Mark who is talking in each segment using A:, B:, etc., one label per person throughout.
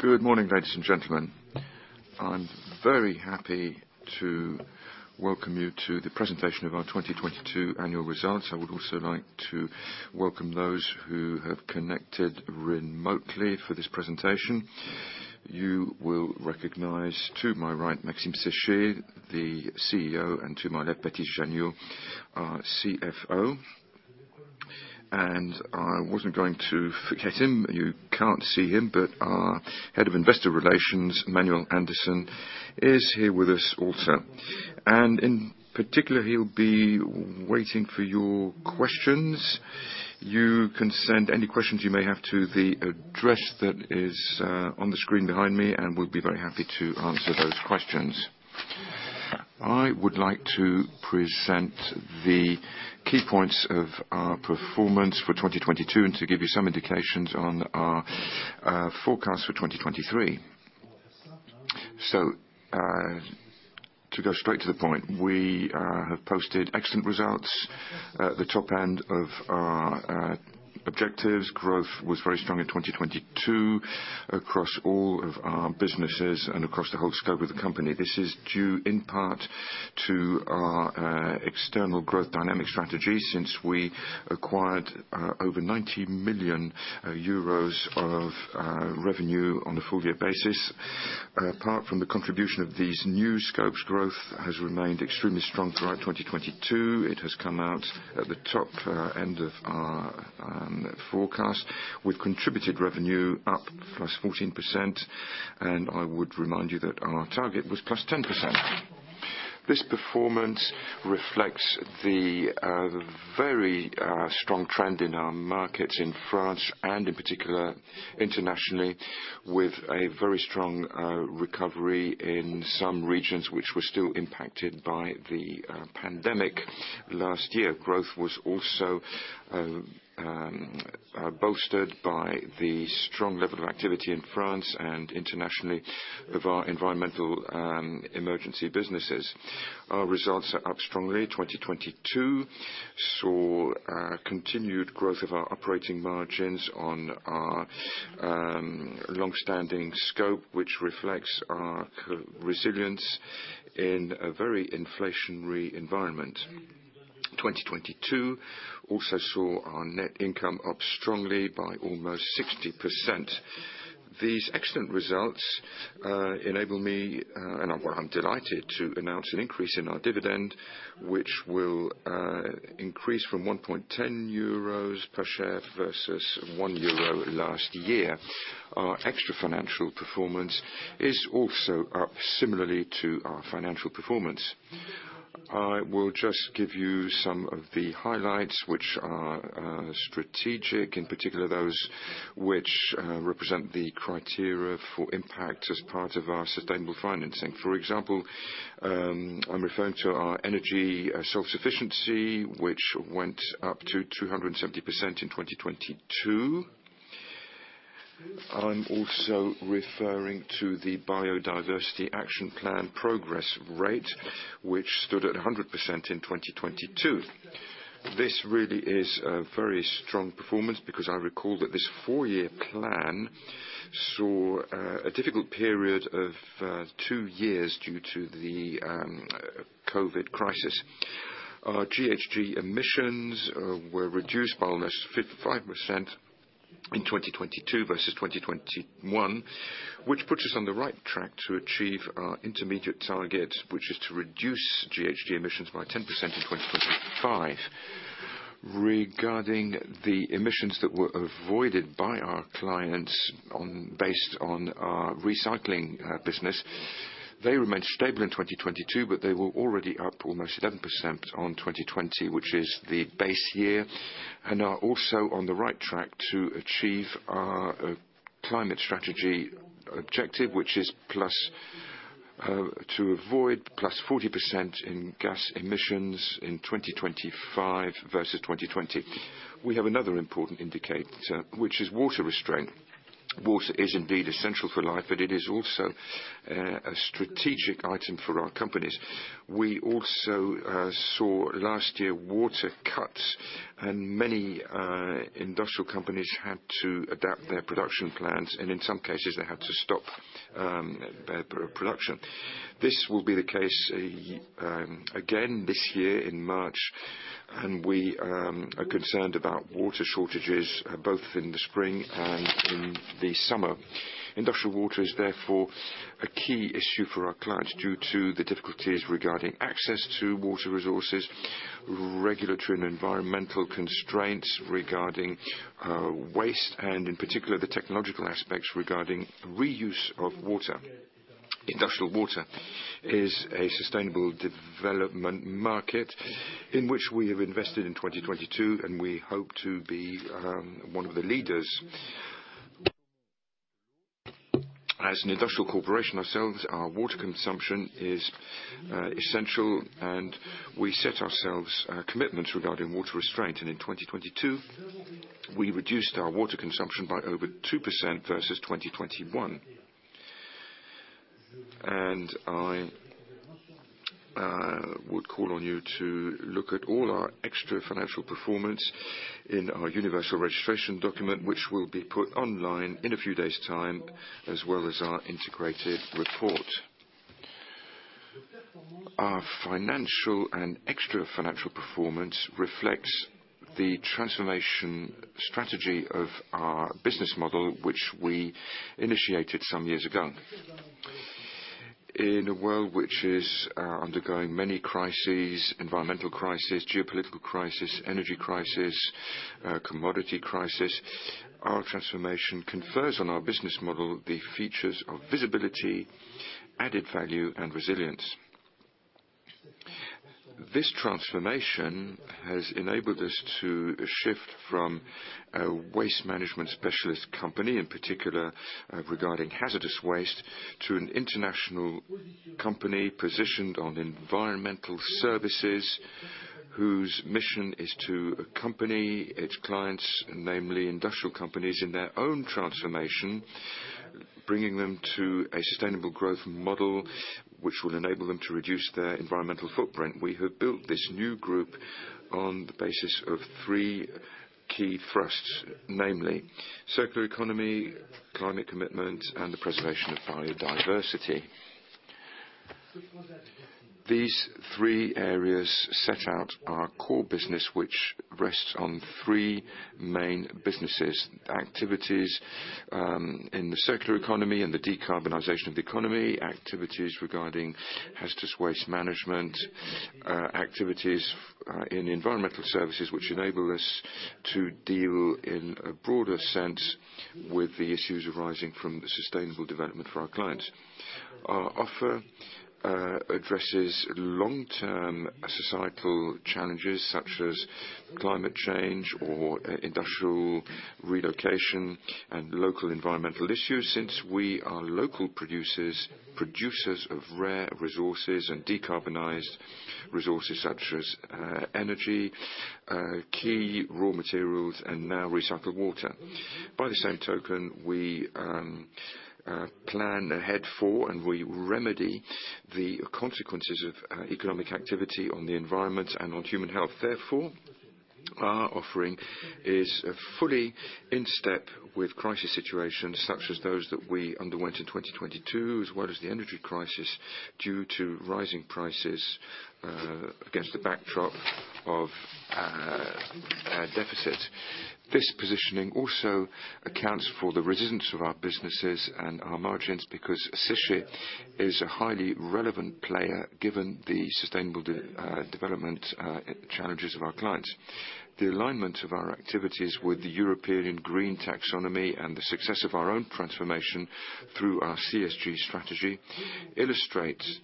A: Good morning, ladies and gentlemen. I'm very happy to welcome you to the presentation of our 2022 annual results. I would also like to welcome those who have connected remotely for this presentation. You will recognize to my right, Maxime Séché, the CEO, and to my left, Baptiste Janiaud, our CFO. I wasn't going to forget him, you can't see him, but our Head of Investor Relations, Manuel Andersen, is here with us also. In particular, he'll be waiting for your questions. You can send any questions you may have to the address that is on the screen behind me. We'll be very happy to answer those questions. I would like to present the key points of our performance for 2022 and to give you some indications on our forecast for 2023. To go straight to the point, we have posted excellent results at the top end of our objectives. Growth was very strong in 2022 across all of our businesses and across the whole scope of the company. This is due in part to our external growth dynamic strategy since we acquired over 90 million euros of revenue on a full-year basis. Apart from the contribution of these new scopes, growth has remained extremely strong throughout 2022. It has come out at the top end of our forecast, with contributed revenue up +14%, and I would remind you that our target was +10%. This performance reflects the very strong trend in our markets in France and in particular internationally, with a very strong recovery in some regions which were still impacted by the pandemic last year. Growth was also bolstered by the strong level of activity in France and internationally of our environmental emergency businesses. Our results are up strongly. 2022 saw continued growth of our operating margins on our long-standing scope, which reflects our resilience in a very inflationary environment. 2022 also saw our net income up strongly by almost 60%. These excellent results enable me, and I'm, well, I'm delighted to announce an increase in our dividend, which will increase from 1.10 euros per share versus 1 euro last year. Our extra financial performance is also up similarly to our financial performance. I will just give you some of the highlights which are strategic, in particular, those which represent the criteria for impact as part of our sustainable financing. For example, I'm referring to our energy self-sufficiency, which went up to 270% in 2022. I'm also referring to the biodiversity action plan progress rate, which stood at 100% in 2022. This really is a very strong performance because I recall that this four-year plan saw a difficult period of two years due to the COVID crisis. Our GHG emissions were reduced by almost 5% in 2022 versus 2021, which puts us on the right track to achieve our intermediate target, which is to reduce GHG emissions by 10% in 2025. Regarding the emissions that were avoided by our clients on... Based on our recycling business, they remained stable in 2022, but they were already up almost 11% on 2020, which is the base year, and are also on the right track to achieve our climate strategy objective, which is to avoid +40% in gas emissions in 2025 versus 2020. We have another important indicator, which is water restraint. Water is indeed essential for life, but it is also a strategic item for our companies. We also saw last year water cuts and many industrial companies had to adapt their production plans, and in some cases, they had to stop their production. This will be the case again this year in March, and we are concerned about water shortages both in the spring and in the summer. Industrial water is therefore a key issue for our clients due to the difficulties regarding access to water resources, regulatory and environmental constraints regarding waste, and in particular, the technological aspects regarding reuse of water. Industrial water is a sustainable development market in which we have invested in 2022, we hope to be one of the leaders. As an industrial corporation ourselves, our water consumption is essential, and we set ourselves commitments regarding water restraint. In 2022, we reduced our water consumption by over 2% versus 2021. I would call on you to look at all our extra financial performance in our universal registration document, which will be put online in a few days time, as well as our integrated report. Our financial and extra financial performance reflects the transformation strategy of our business model, which we initiated some years ago. In a world which is undergoing many crises, environmental crisis, geopolitical crisis, energy crisis, commodity crisis, our transformation confers on our business model the features of visibility, added value, and resilience. This transformation has enabled us to shift from a waste management specialist company, in particular regarding hazardous waste, to an international company positioned on environmental services, whose mission is to accompany its clients, namely industrial companies, in their own transformation, bringing them to a sustainable growth model which will enable them to reduce their environmental footprint. We have built this new group on the basis of three key thrusts, namely circular economy, climate commitment, and the preservation of biodiversity. These three areas set out our core business, which rests on three main businesses. Activities in the circular economy and the decarbonization of the economy, activities regarding hazardous waste management, activities in environmental services, which enable us to deal in a broader sense with the issues arising from the sustainable development for our clients. Our offer addresses long-term societal challenges such as climate change or industrial relocation and local environmental issues, since we are local producers of rare resources and decarbonized resources such as energy, key raw materials, and now recycled water. By the same token, we plan ahead for, and we remedy the consequences of economic activity on the environment and on human health. Therefore, our offering is fully in step with crisis situations such as those that we underwent in 2022, as well as the energy crisis due to rising prices, against a backdrop of a deficit. This positioning also accounts for the resilience of our businesses and our margins because Veolia is a highly relevant player given the sustainable development challenges of our clients. The alignment of our activities with the European green taxonomy and the success of our own transformation through our CSG strategy illustrates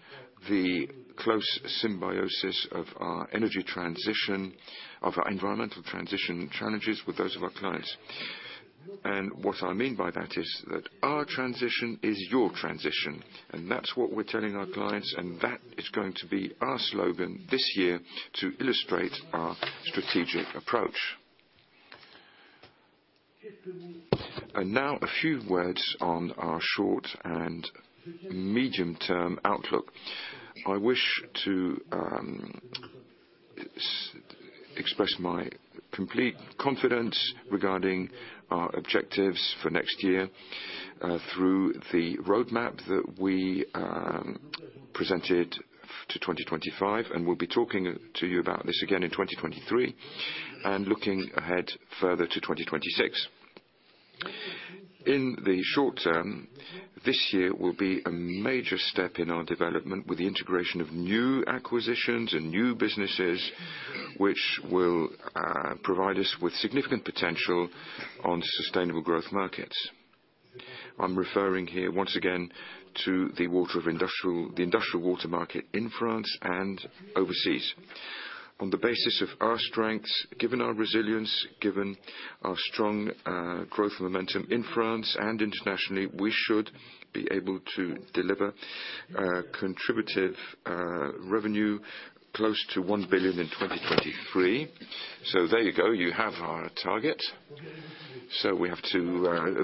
A: the close symbiosis of our energy transition, of our environmental transition challenges, with those of our clients. What I mean by that is that our transition is your transition, that's what we're telling our clients, that is going to be our slogan this year to illustrate our strategic approach. Now a few words on our short and medium-term outlook. I wish to express my complete confidence regarding our objectives for next year, through the roadmap that we presented to 2025, and we'll be talking to you about this again in 2023, and looking ahead further to 2026. In the short term, this year will be a major step in our development with the integration of new acquisitions and new businesses, which will provide us with significant potential on sustainable growth markets. I'm referring here once again to the industrial water market in France and overseas. On the basis of our strengths, given our resilience, given our strong growth momentum in France and internationally, we should be able to deliver contributive revenue close to 1 billion in 2023. There you go, you have our target. We have to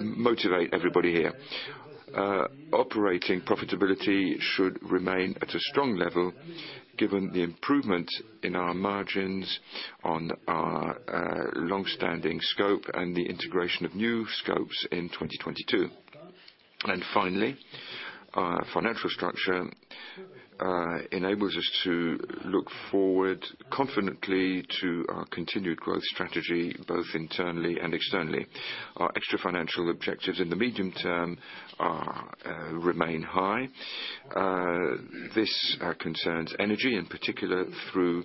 A: motivate everybody here. Operating profitability should remain at a strong level, given the improvement in our margins on our long-standing scope and the integration of new scopes in 2022. Finally, our financial structure enables us to look forward confidently to our continued growth strategy, both internally and externally. Our extra financial objectives in the medium term are remain high. This concerns energy, in particular through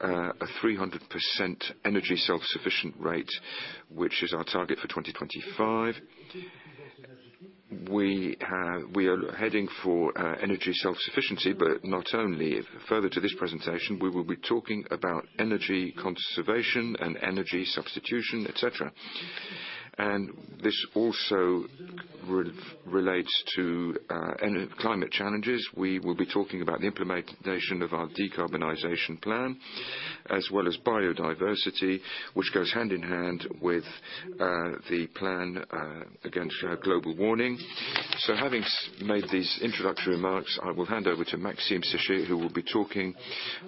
A: a 300% energy self-sufficient rate, which is our target for 2025. We are heading for energy self-sufficiency, but not only. Further to this presentation, we will be talking about energy conservation and energy substitution, et cetera. This also relates to climate challenges. We will be talking about the implementation of our decarbonization plan, as well as biodiversity, which goes hand in hand with the plan against global warming. Having made these introductory remarks, I will hand over to Maxime Séché, who will be talking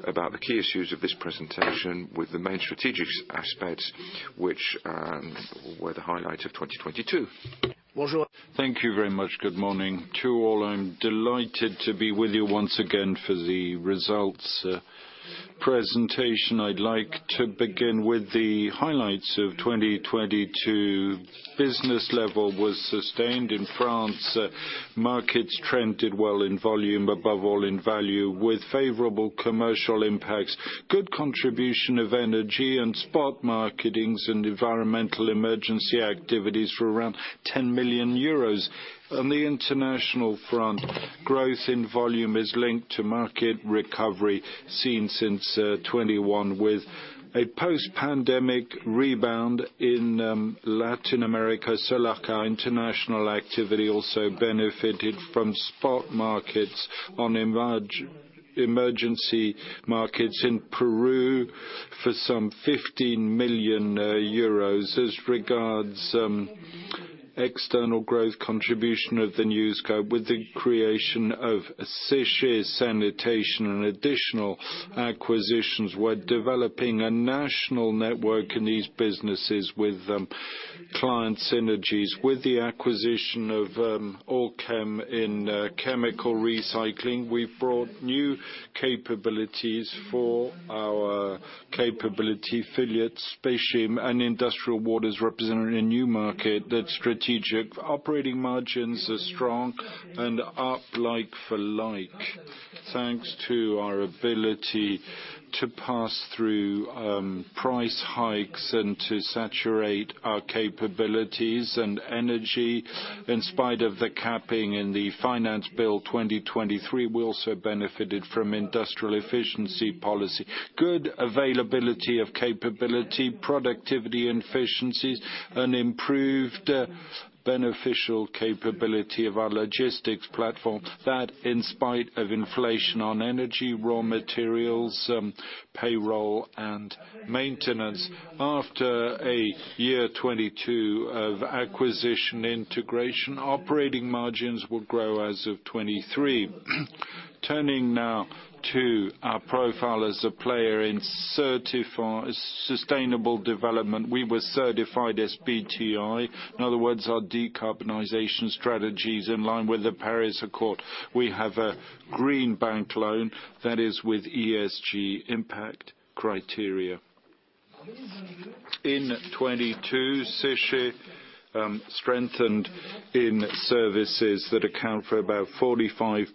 A: about the key issues of this presentation with the main strategic aspects which were the highlight of 2022.
B: Thank you very much. Good morning to all. I'm delighted to be with you once again for the results presentation. I'd like to begin with the highlights of 2022. Business level was sustained in France. Markets trended well in volume, above all in value, with favorable commercial impacts, good contribution of energy, and spot markets, and environmental emergency activities for around 10 million euros. On the international front, growth in volume is linked to market recovery seen since 2021, with a post-pandemic rebound in Latin America. Solarca International activity also benefited from spot markets on emergency markets in Peru for some 15 million euros. As regards external growth contribution of the new scope with the creation of Séché Assainissement and additional acquisitions, we're developing a national network in these businesses with client synergies. With the acquisition of All'Chem in chemical recycling, we've brought new capabilities for our capability affiliates, Speichim and Industrial Waters, representing a new market that's strategic. Operating margins are strong and up like for like, thanks to our ability to pass through price hikes and to saturate our capabilities and energy. In spite of the capping in the Finance Law for 2023, we also benefited from industrial efficiency policy. Good availability of capability, productivity efficiencies, and improved beneficial capability of our logistics platform, that in spite of inflation on energy, raw materials, payroll, and maintenance. After a year 2022 of acquisition integration, operating margins will grow as of 2023. Turning now to our profile as a player in sustainable development, we were certified SBTi. In other words, our decarbonization strategy is in line with the Paris Agreement. We have a green bank loan that is with ESG impact criteria. In 2022, Séché strengthened in services that account for about 45%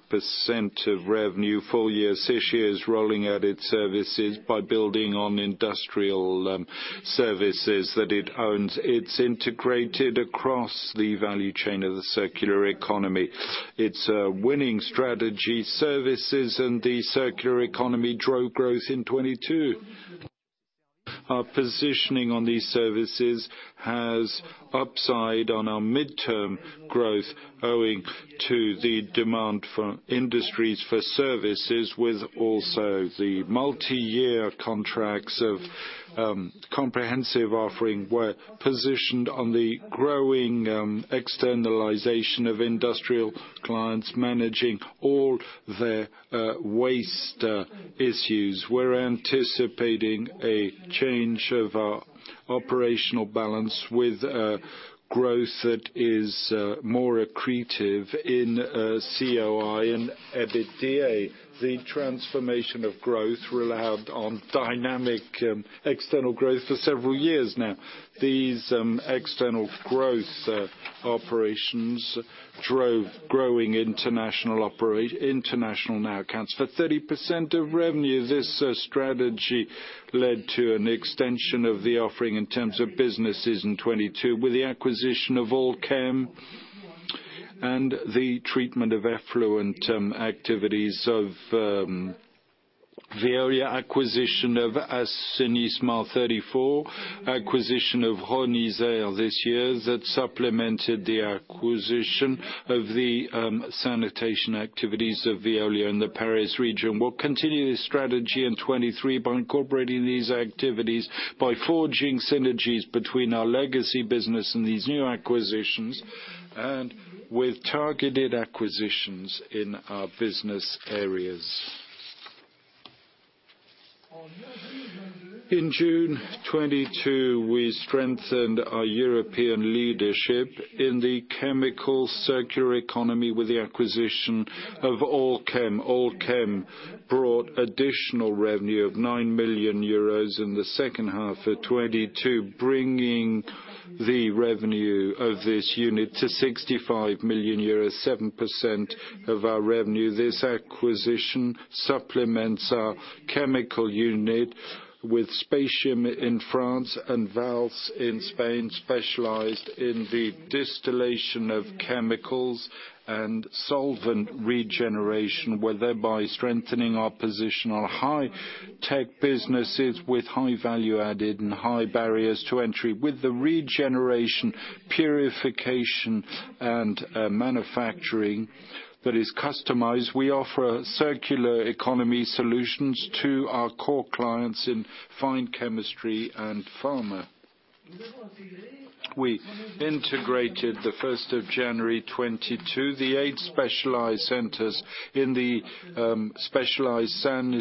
B: of revenue. Full year, Séché is rolling out its services by building on industrial services that it owns. It's integrated across the value chain of the circular economy. It's a winning strategy. Services and the circular economy drove growth in 2022. Our positioning on these services has upside on our midterm growth owing to the demand for industries, for services with also the multiyear contracts of comprehensive offering. We're positioned on the growing externalization of industrial clients managing all their waste issues. We're anticipating a change of our operational balance with growth that is more accretive in COI and EBITDA. The transformation of growth relied on dynamic external growth for several years now. These external growth operations drove growing international. International now accounts for 30% of revenue. This strategy led to an extension of the offering in terms of businesses in 2022 with the acquisition of All'Chem and the treatment of effluent activities of Veolia, acquisition of Assainissement 34, acquisition of Rhône Isère this year that supplemented the acquisition of the sanitation activities of Veolia in the Paris region. We'll continue this strategy in 2023 by incorporating these activities by forging synergies between our legacy business and these new acquisitions, and with targeted acquisitions in our business areas. In June 2022, we strengthened our European leadership in the chemical circular economy with the acquisition of All'Chem. All'Chem brought additional revenue of 9 million euros in the second half of 2022, bringing the revenue of this unit to 65 million euros, 7% of our revenue. This acquisition supplements our chemical unit with Speichim in France and Valls in Spain, specialized in the distillation of chemicals and solvent regeneration. We're thereby strengthening our position on high-tech businesses with high value added and high barriers to entry. With the regeneration, purification, and manufacturing that is customized, we offer circular economy solutions to our core clients in fine chemistry and pharma. We integrated the 1st of January 2022, the eight specialized centers in the specialized SAN. We're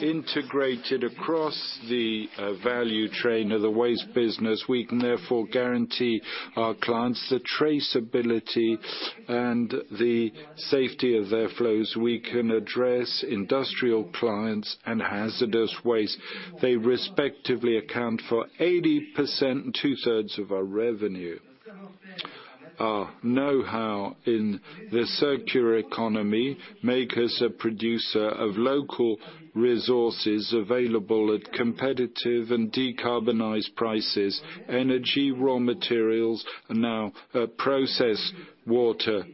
B: integrated across the value chain of the waste business. We can guarantee our clients the traceability and the safety of their flows. We can address industrial clients and hazardous waste. They respectively account for 80%, 2/3 of our revenue. Our know-how in the circular economy make us a producer of local resources available at competitive and decarbonized prices, energy, raw materials, and now, processed water.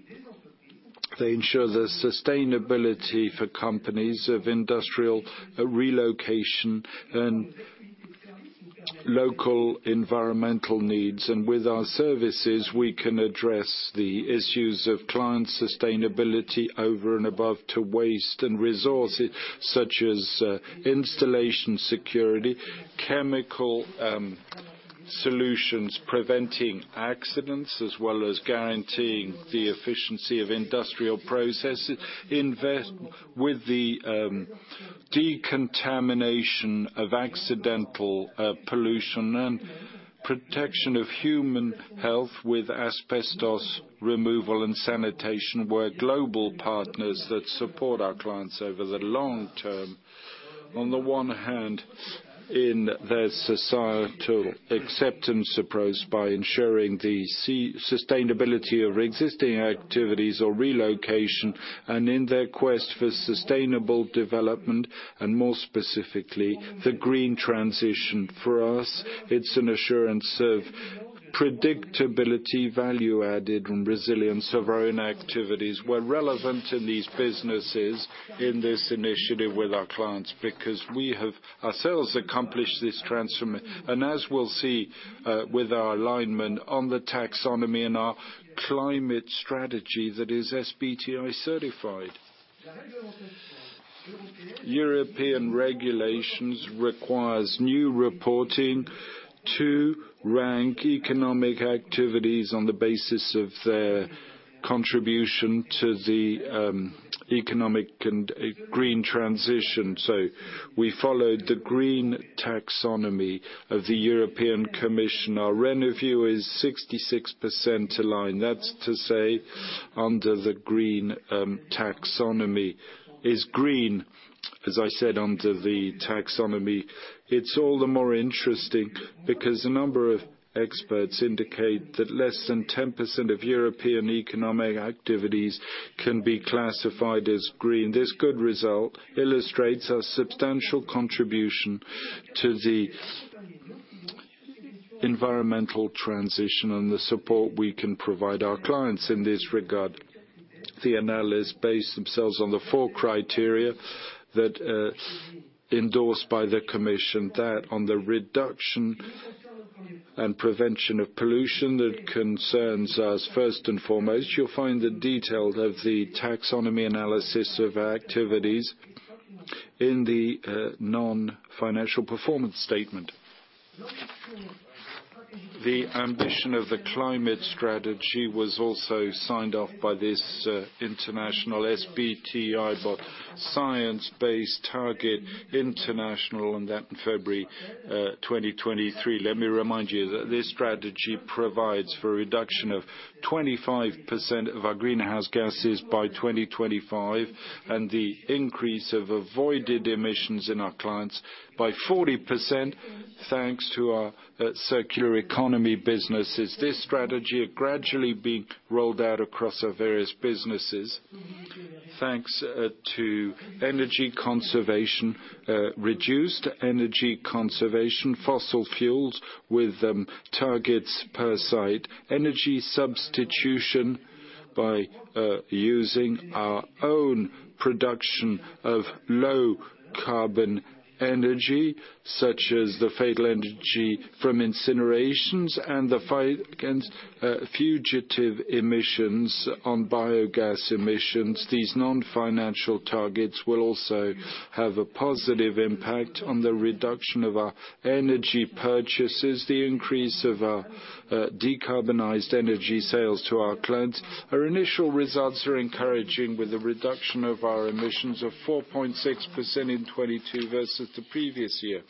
B: They ensure the sustainability for companies of industrial relocation and local environmental needs. With our services, we can address the issues of client sustainability over and above to waste and resources such as, installation security, chemical solutions preventing accidents, as well as guaranteeing the efficiency of industrial processes, invest with the decontamination of accidental pollution and protection of human health with asbestos removal and sanitation. We're global partners that support our clients over the long term. On the one hand, in their societal acceptance approach by ensuring the sustainability of existing activities or relocation, and in their quest for sustainable development and more specifically, the green transition. For us, it's an assurance of predictability, value added, and resilience of our own activities. We're relevant in these businesses in this initiative with our clients because we have ourselves accomplished this, and as we'll see, with our alignment on the taxonomy and our climate strategy that is SBTi-certified. European regulations requires new reporting to rank economic activities on the basis of their contribution to the economic and green transition. We followed the green taxonomy of the European Commission. Our revenue is 66% aligned. That's to say, under the green taxonomy. It's green, as I said, under the taxonomy. It's all the more interesting because a number of experts indicate that less than 10% of European economic activities can be classified as green. This good result illustrates a substantial contribution to the environmental transition and the support we can provide our clients in this regard. The analysts base themselves on the four criteria that endorsed by the European Commission, that on the reduction and prevention of pollution that concerns us first and foremost. You'll find the details of the taxonomy analysis of our activities in the non-financial performance statement. The ambition of the climate strategy was also signed off by this international SBTI, but Science Based Targets initiative on that in February 2023. Let me remind you that this strategy provides for a reduction of 25% of our greenhouse gases by 2025, and the increase of avoided emissions in our clients by 40%, thanks to our circular economy businesses. This strategy are gradually being rolled out across our various businesses, thanks to energy conservation, reduced energy conservation, fossil fuels with targets per site, energy substitution by using our own production of low-carbon energy, such as the fatal energy from incinerations, and the fight against fugitive emissions on biogas emissions. These non-financial targets will also have a positive impact on the reduction of our energy purchases, the increase of our decarbonized energy sales to our clients. Our initial results are encouraging, with a reduction of our emissions of 4.6% in 2022 versus the previous year.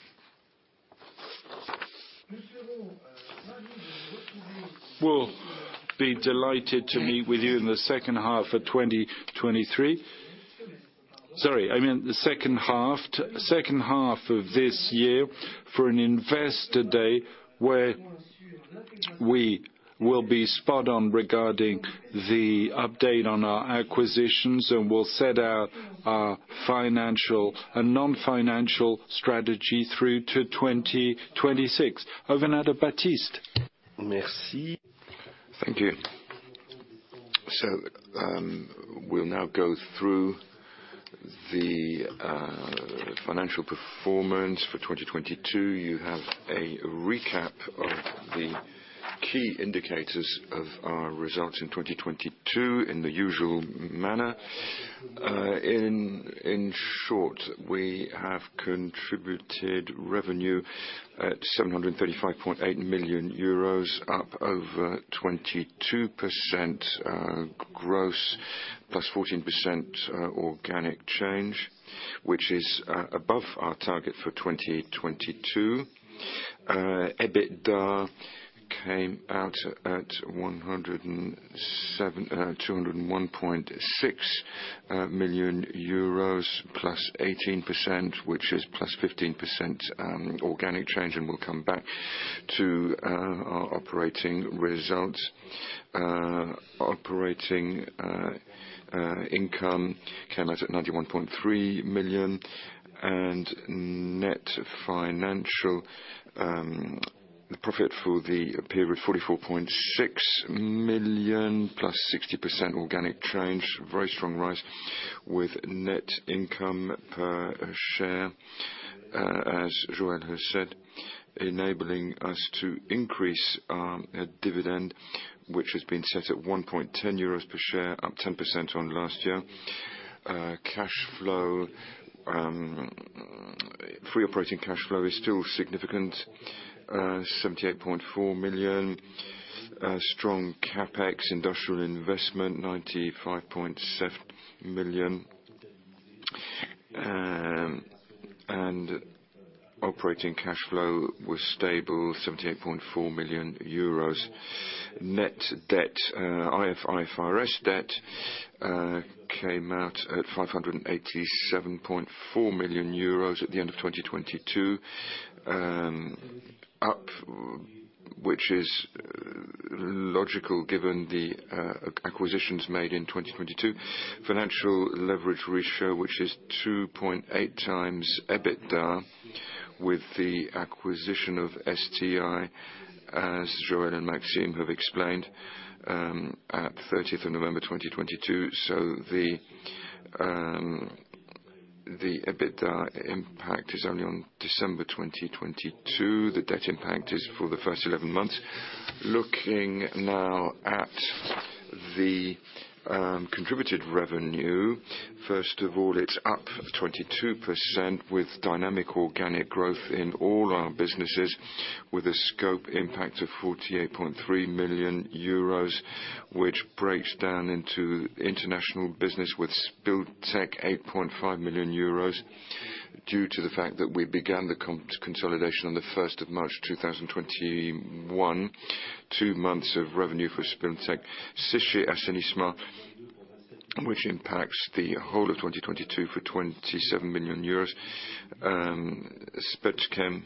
B: We'll be delighted to meet with you in the second half of 2023. Sorry, I meant the second half of this year for an investor day where we will be spot on regarding the update on our acquisitions, and we'll set out our financial and non-financial strategy through to 2026. Over now to Baptiste.
C: Merci. Thank you. We'll now go through the financial performance for 2022. You have a recap of the key indicators of our results in 2022 in the usual manner. In short, we have contributed revenue at 735.8 million euros, up over 22%, gross, +14% organic change, which is above our target for 2022. EBITDA came out at EUR 201.6 million +18%, which is +15% organic change, and we'll come back to our operating results. Operating income came out at 91.3 million. Net financial, the profit for the period, 44.6 million +60% organic change. Very strong rise with net income per share, as Joël has said, enabling us to increase our dividend, which has been set at 1.10 euros per share, up 10% on last year. Cash flow, free operating cash flow, is still significant, 78.4 million. Strong CapEx industrial investment, 95.7 million. Operating cash flow was stable, 78.4 million euros. Net debt, IFRS net debt, came out at 587.4 million euros at the end of 2022, up, which is logical given the acquisitions made in 2022. Financial leverage ratio, which is 2.8x EBITDA with the acquisition of STI, as Joël and Maxime have explained, at 30th of November 2022. The EBITDA impact is only on December 2022. The debt impact is for the first 11 months. Looking now at the contributed revenue. First of all, it's up 22% with dynamic organic growth in all our businesses, with a scope impact of 48.3 million euros, which breaks down into international business with Spill Tech, 8.5 million euros, due to the fact that we began the consolidation on the first of March 2021. Two months of revenue for Spill Tech. Séché Assainissement, which impacts the whole of 2022 for 27 million euros. Speichim,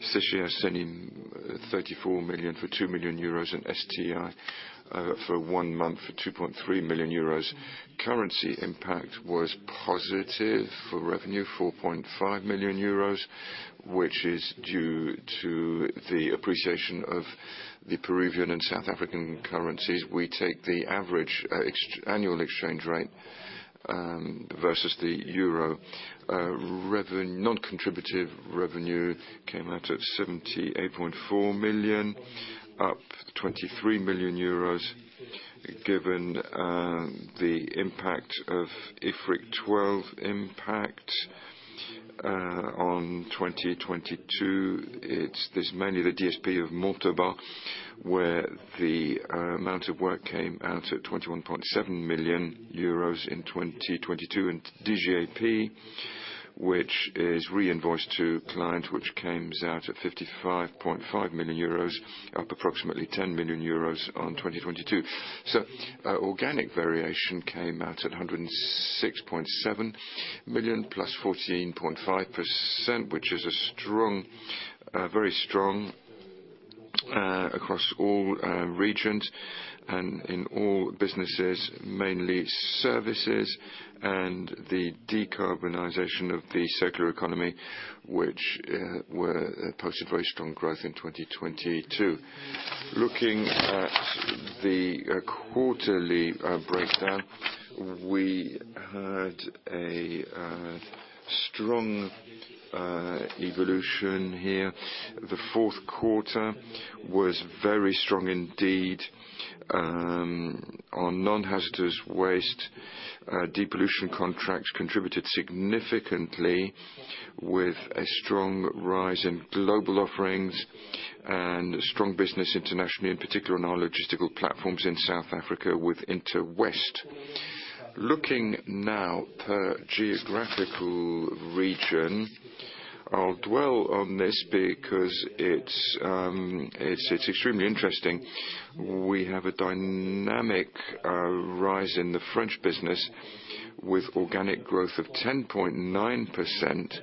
C: Séché Assainissement, 34 million for 2 million euros in STI, for one month for 2.3 million euros. Currency impact was positive for revenue, 4.5 million euros. Due to the appreciation of the Peruvian and South African currencies. We take the average annual exchange rate versus the EUR. Non-contributive revenue came out at 78.4 million, up 23 million euros, given the impact of IFRIC 12 impact on 2022. It's this mainly the DSP of Montauban, where the amount of work came out at 21.7 million euros in 2022. TGAP, which is reinvoiced to client, which comes out at 55.5 million euros, up approximately 10 million euros on 2022. Organic variation came out at 106.7 million plus 14.5%, which is a strong, very strong across all regions and in all businesses, mainly services and the decarbonization of the circular economy, which were posted very strong growth in 2022. Looking at the quarterly breakdown, we had a strong evolution here. The fourth quarter was very strong indeed, on non-hazardous waste. Depollution contracts contributed significantly with a strong rise in global offerings and strong business internationally, in particular on our logistical platforms in South Africa with Interwaste. Looking now per geographical region. I'll dwell on this because it's extremely interesting. We have a dynamic rise in the French business with organic growth of 10.9%.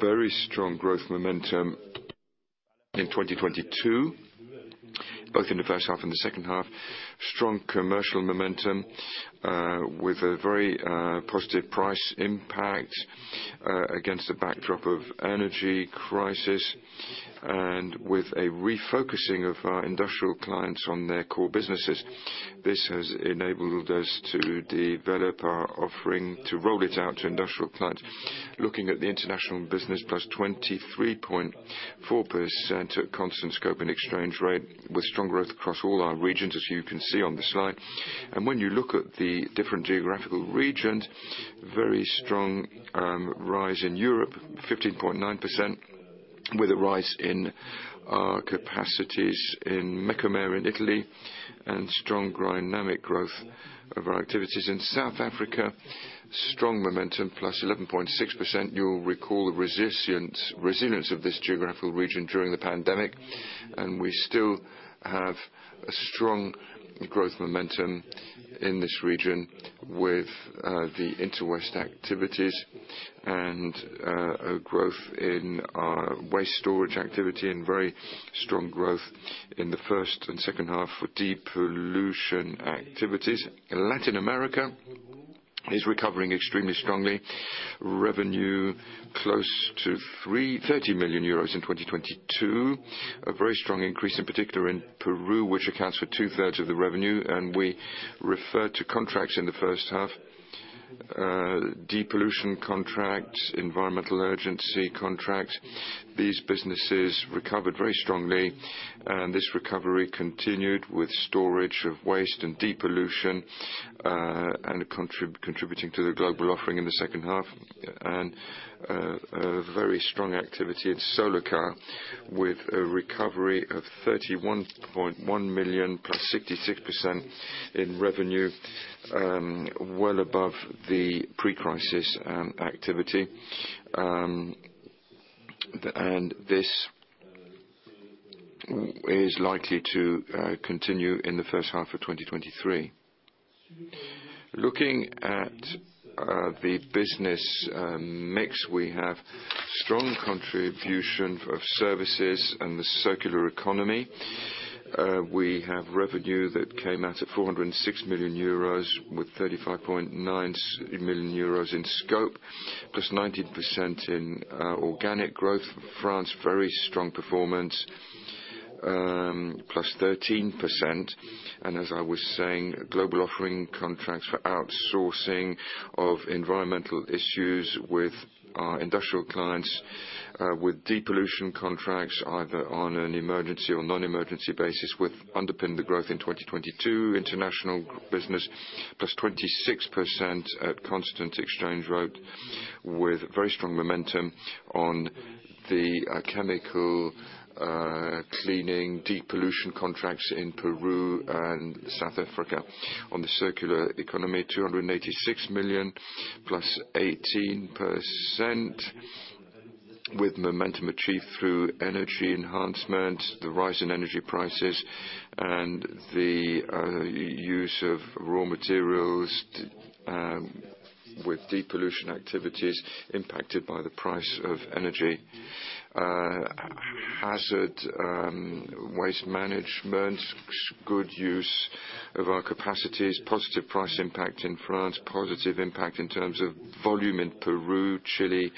C: Very strong growth momentum in 2022, both in the first half and the second half. Strong commercial momentum, with a very positive price impact, against a backdrop of energy crisis, and with a refocusing of our industrial clients on their core businesses. This has enabled us to develop our offering to roll it out to industrial clients. Looking at the international business, +23.4% at constant scope and exchange rate, with strong growth across all our regions, as you can see on the slide. When you look at the different geographical regions, very strong rise in Europe, 15.9%, with a rise in our capacities in Mecomer, in Italy, and strong dynamic growth of our activities in South Africa. Strong momentum, +11.6%. You'll recall the resilience of this geographical region during the pandemic, and we still have a strong growth momentum in this region with the Interwaste activities,, and a growth in our waste storage activity and very strong growth in the first and second half for depollution activities. Latin America is recovering extremely strongly. Revenue close to 30 million euros in 2022. A very strong increase in particular in Peru, which accounts for 2/3 of the revenue, and we refer to contracts in the first half. Depollution contracts, environmental urgency contracts. These businesses recovered very strongly, and this recovery continued with storage of waste and depollution, and contributing to the global offering in the second half. A very strong activity at Solarca with a recovery of 31.1 million +66% in revenue, well above the pre-crisis activity. This is likely to continue in the first half of 2023. Looking at the business mix, we have strong contribution of services and the circular economy. We have revenue that came out at 406 million euros with 35.9 million euros in scope, +19% in organic growth. France, very strong performance, +13%. As I was saying, global offering contracts for outsourcing of environmental issues with our industrial clients, with depollution contracts either on an emergency or non-emergency basis underpinned the growth in 2022. International business +26% at constant exchange rate with very strong momentum on the chemical cleaning depollution contracts in Peru and South Africa. On the circular economy, 286 million +18%, with momentum achieved through energy enhancement, the rise in energy prices, and the use of raw materials, with depollution activities impacted by the price of energy, Hazard waste management, good use of our capacities, positive price impact in France, positive impact in terms of volume in Peru, Chile,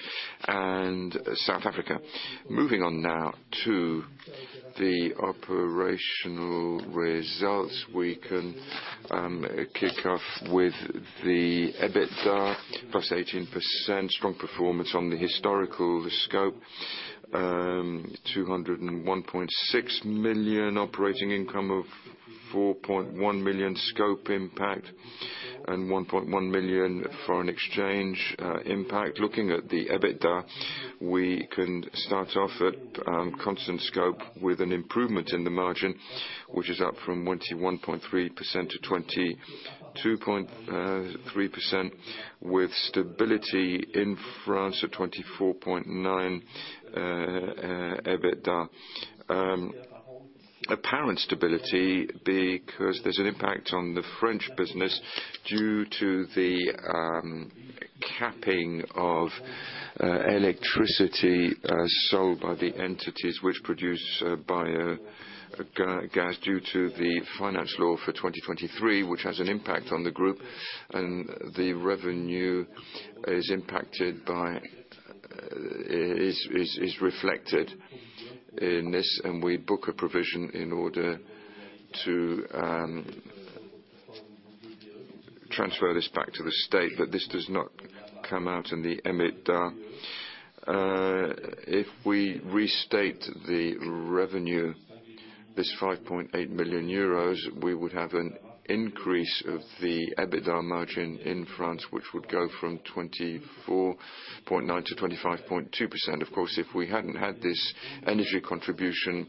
C: and South Africa. Moving on now to the operational results. We can kick off with the EBITDA, +18%, strong performance on the historical scope. 201.6 million operating income of 4.1 million scope impact and 1.1 million foreign exchange impact. Looking at the EBITDA, we can start off at constant scope with an improvement in the margin, which is up from 21.3% to 22.3% with stability in France at 24.9% EBITDA. Apparent stability because there's an impact on the French business due to the capping of electricity sold by the entities which produce biogas due to the Finance Law for 2023, which has an impact on the group. The revenue is impacted by... is reflected in this, and we book a provision in order to transfer this back to the state. This does not come out in the EBITDA. If we restate the revenue, this 5.8 million euros, we would have an increase of the EBITDA margin in France, which would go from 24.9% to 25.2%. Of course, if we hadn't had this energy contribution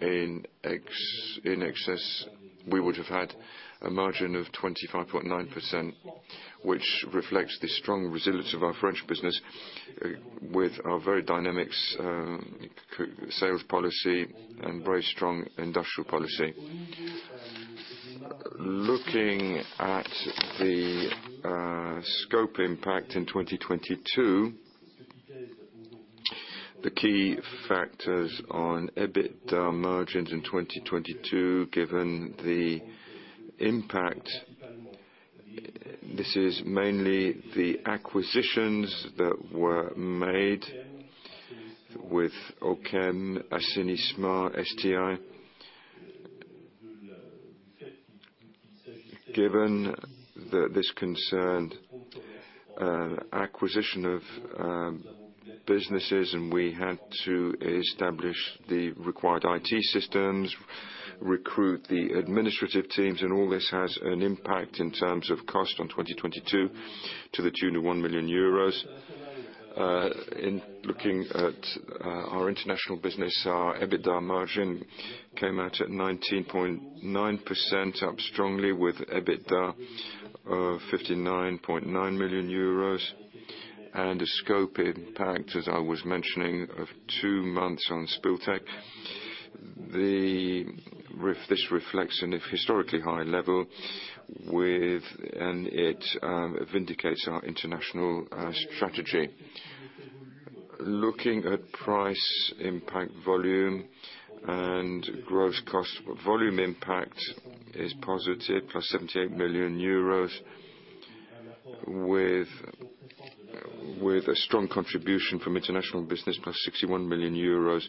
C: in excess, we would have had a margin of 25.9%, which reflects the strong resilience of our French business with our very dynamics sales policy and very strong industrial policy. Looking at the scope impact in 2022, the key factors on EBITDA margins in 2022, given the impact, this is mainly the acquisitions that were made with Ocem, Asenisa, STI. Given that this concerned acquisition of businesses, we had to establish the required IT systems, recruit the administrative teams, all this has an impact in terms of cost on 2022 to the tune of 1 million euros. In looking at our international business, our EBITDA margin came out at 19.9%, up strongly with EBITDA of 59.9 million euros and a scope impact, as I was mentioning, of two months on Spill Tech. This reflects an historically high level. It vindicates our international strategy. Looking at price impact volume and gross cost, volume impact is positive, +78 million euros, with a strong contribution from international business, +61 million euros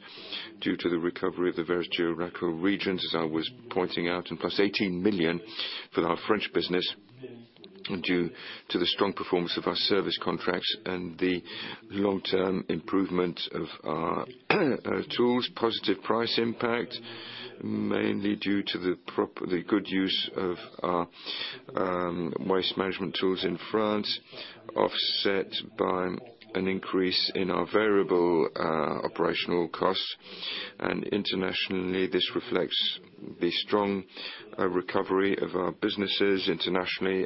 C: due to the recovery of the various geographical regions, as I was pointing out, and +18 million for our French business due to the strong performance of our service contracts and the long-term improvement of our tools. Positive price impact, mainly due to the good use of our waste management tools in France, offset by an increase in our variable operational costs. Internationally, this reflects the strong recovery of our businesses internationally.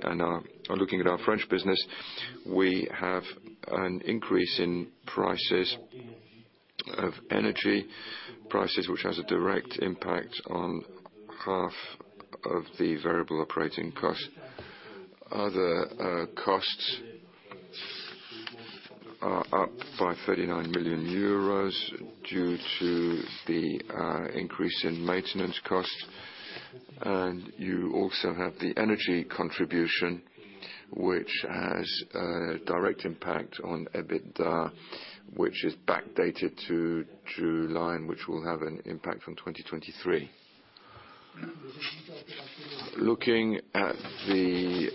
C: Looking at our French business, we have an increase in prices of energy, prices which has a direct impact on half of the variable operating costs. Other costs are up by 39 million euros due to the increase in maintenance costs. You also have the energy contribution, which has a direct impact on EBITDA, which is backdated to July, and which will have an impact from 2023. Looking at the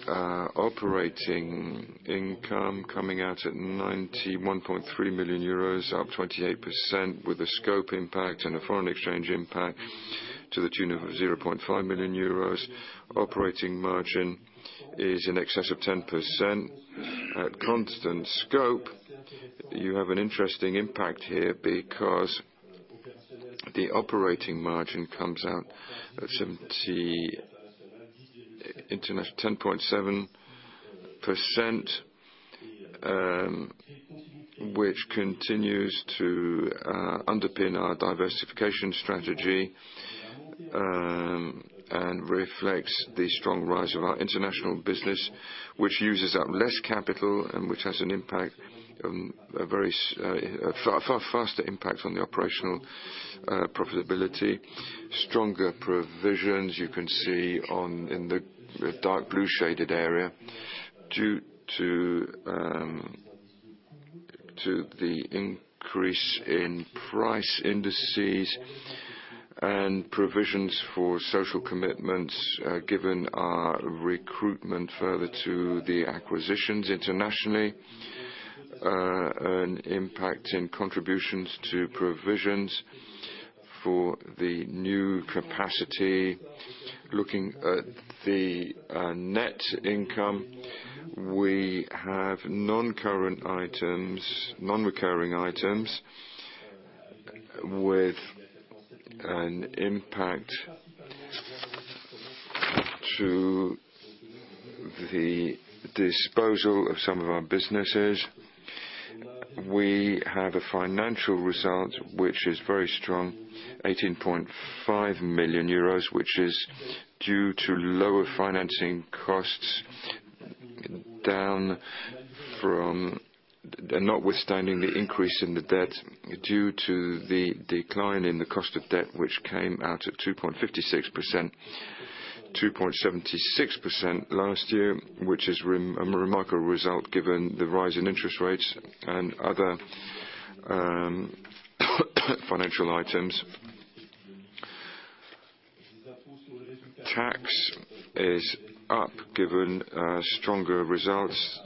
C: operating income coming out at 91.3 million euros, up 28% with a scope impact and a foreign exchange impact to the tune of 0.5 million euros. Operating margin is in excess of 10%. At constant scope, you have an interesting impact here because the operating margin comes out at seventy... 10.7%, which continues to underpin our diversification strategy. Reflects the strong rise of our international business, which uses up less capital and which has an impact, a far, far faster impact on the operational profitability. Stronger provisions you can see in the dark blue shaded area due to the increase in price indices and provisions for social commitments, given our recruitment further to the acquisitions internationally. An impact in contributions to provisions for the new capacity. Looking at the net income, we have non-recurring items with an impact to the disposal of some of our businesses. We have a financial result which is very strong, 18.5 million euros, which is due to lower financing costs down from... Notwithstanding the increase in the debt due to the decline in the cost of debt, which came out at 2.56%. 2.76% last year, which is a remarkable result given the rise in interest rates and other financial items. Tax is up given stronger results,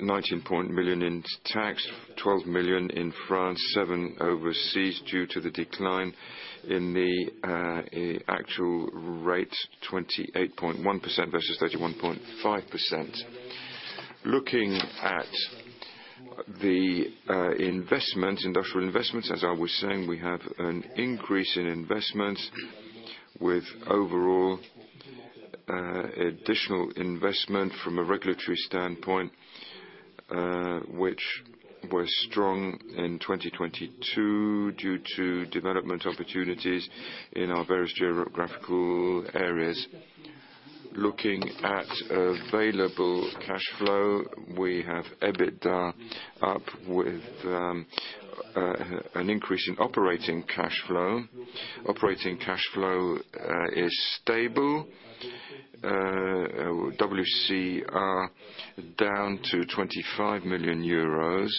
C: 19 million in tax, 12 million in France, 7 overseas due to the decline in the actual rate, 28.1% versus 31.5%. Looking at the investment, industrial investments, as I was saying, we have an increase in investments with overall additional investment from a regulatory standpoint, which was strong in 2022 due to development opportunities in our various geographical areas. Looking at available cash flow, we have EBITDA up with an increase in operating cash flow. Operating cash flow is stable. WCR down to 25 million euros,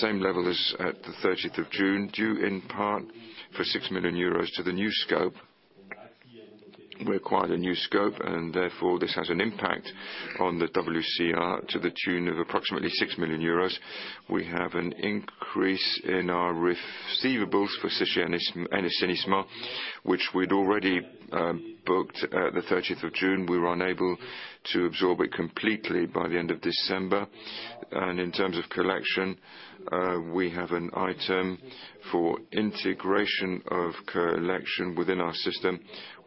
C: same level as at the 30th of June, due in part for 6 million euros to the new scope. We acquired a new scope, and therefore, this has an impact on the WCR to the tune of approximately 6 million euros. We have an increase in our receivables for Socienis- Enes- Enersys, which we'd already booked at the 30th of June. We were unable to absorb it completely by the end of December. In terms of collection, we have an item for integration of collection within our system,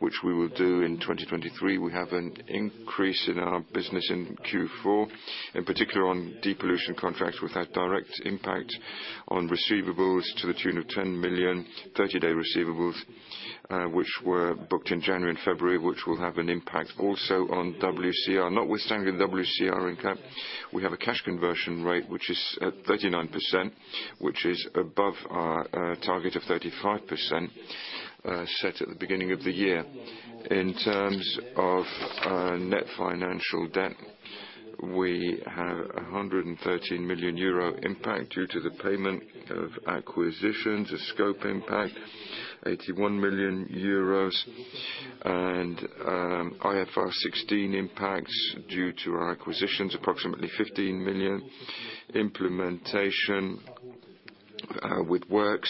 C: which we will do in 2023. We have an increase in our business in Q4, in particular on depollution contracts with that direct impact on receivables to the tune of 10 million 30-day receivables, which were booked in January and February, which will have an impact also on WCR. Notwithstanding WCR in CapEx, we have a cash conversion rate which is at 39%, which is above our target of 35% set at the beginning of the year. In terms of net financial debt, we have a 113 million euro impact due to the payment of acquisitions, a scope impact 81 million euros. IFRS 16 impacts due to our acquisitions, approximately 15 million. Implementation with works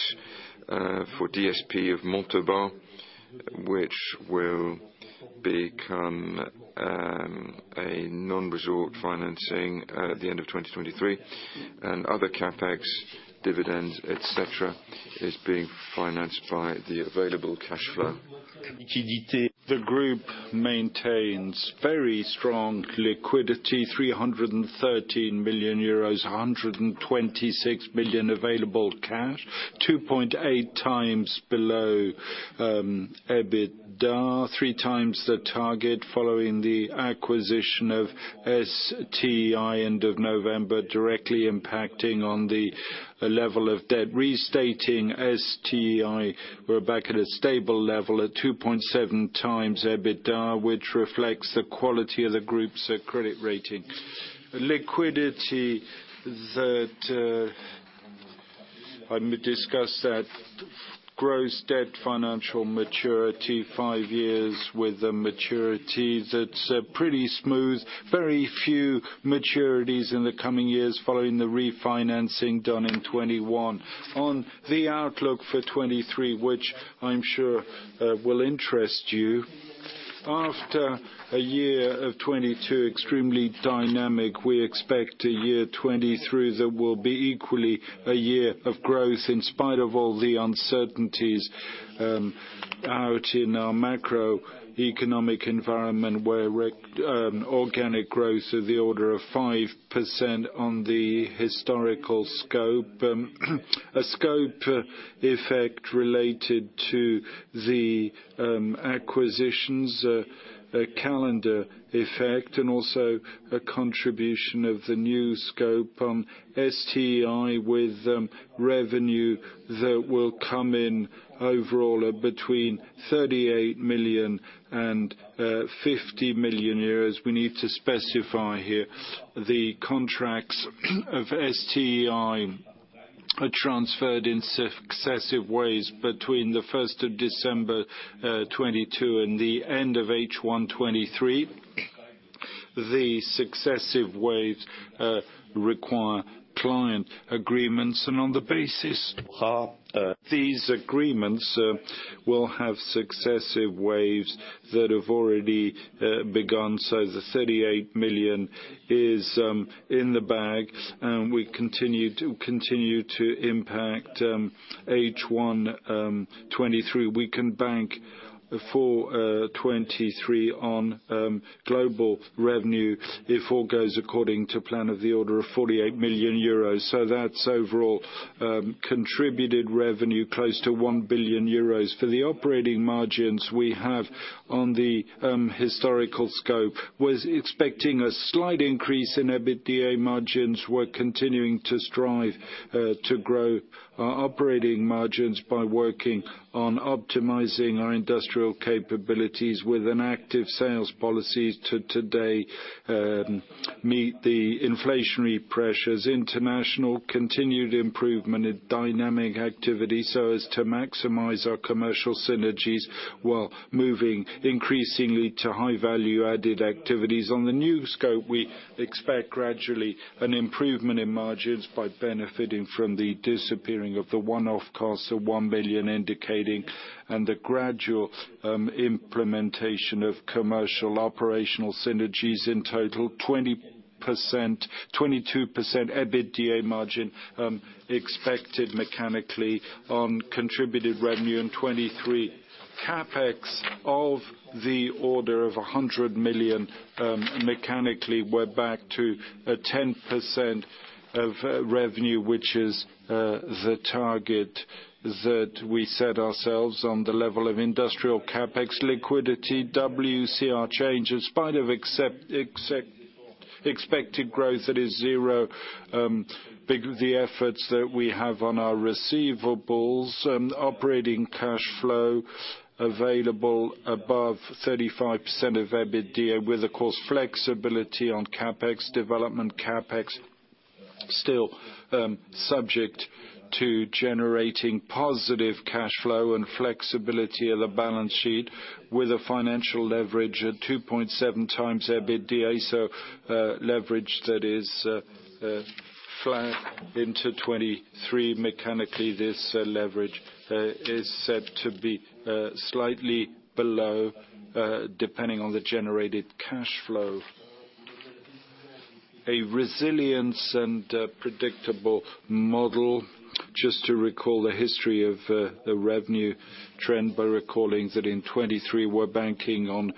C: for DSP of Montauban, which will become a non-resort financing at the end of 2023. Other CapEx dividends, et cetera, is being financed by the available cash flow.
B: The group maintains very strong liquidity, 313 million euros, 126 million available cash, 2.8x below EBITDA. 3x the target following the acquisition of STI end of November, directly impacting on the level of debt. Restating STI, we're back at a stable level at 2.7x EBITDA, which reflects the quality of the group's credit rating. Liquidity that I may discuss that gross debt financial maturity, five years with a maturity that's pretty smooth. Very few maturities in the coming years following the refinancing done in 2021. On the outlook for 2023, which I'm sure will interest you. After a year of 2022, extremely dynamic, we expect a year 2023 that will be equally a year of growth in spite of all the uncertainties. Out in our macroeconomic environment, where organic growth of the order of 5% on the historical scope. A scope effect related to the acquisitions, a calendar effect, and also a contribution of the new scope, STI with revenue that will come in overall at between 38 million and 50 million euros. We need to specify here the contracts of STI are transferred in successive waves between the 1st of December 2022 and the end of H1 2023. The successive waves require client agreements. On the basis of these agreements, we'll have successive waves that have already begun. The 38 million is in the bag, and we continue to impact H1 2023. We can bank for 2023 on global revenue if all goes according to plan, of the order of 48 million euros. So that's overall, contributed revenue close to 1 billion euros. For the operating margins we have on the historical scope, was expecting a slight increase in EBITDA margins. We're continuing to strive to grow our operating margins by working on optimizing our industrial capabilities with an active sales policy today, meet the inflationary pressures. International, continued improvement in dynamic activity so as to maximize our commercial synergies while moving increasingly to high-value-added activities. On the new scope, we expect gradually an improvement in margins by benefiting from the disappearing of the one-off costs of 1 billion indicating and the gradual implementation of commercial operational synergies, in total 20%, 22% EBITDA margin, expected mechanically on contributed revenue in 2023. CapEx of the order of 100 million, mechanically, we're back to a 10% of revenue, which is the target that we set ourselves on the level of industrial CapEx liquidity. WCR change, in spite of expected growth that is zero, be the efforts that we have on our receivables. Operating cash flow available above 35% of EBITDA with, of course, flexibility on CapEx. Development CapEx still subject to generating positive cash flow and flexibility on the balance sheet with a financial leverage at 2.7x EBITDA. Leverage that is flat into 2023. Mechanically, this leverage is set to be slightly below, depending on the generated cash flow. A resilience and a predictable model. Just to recall the history of the revenue trend by recalling that in 2023, we're banking on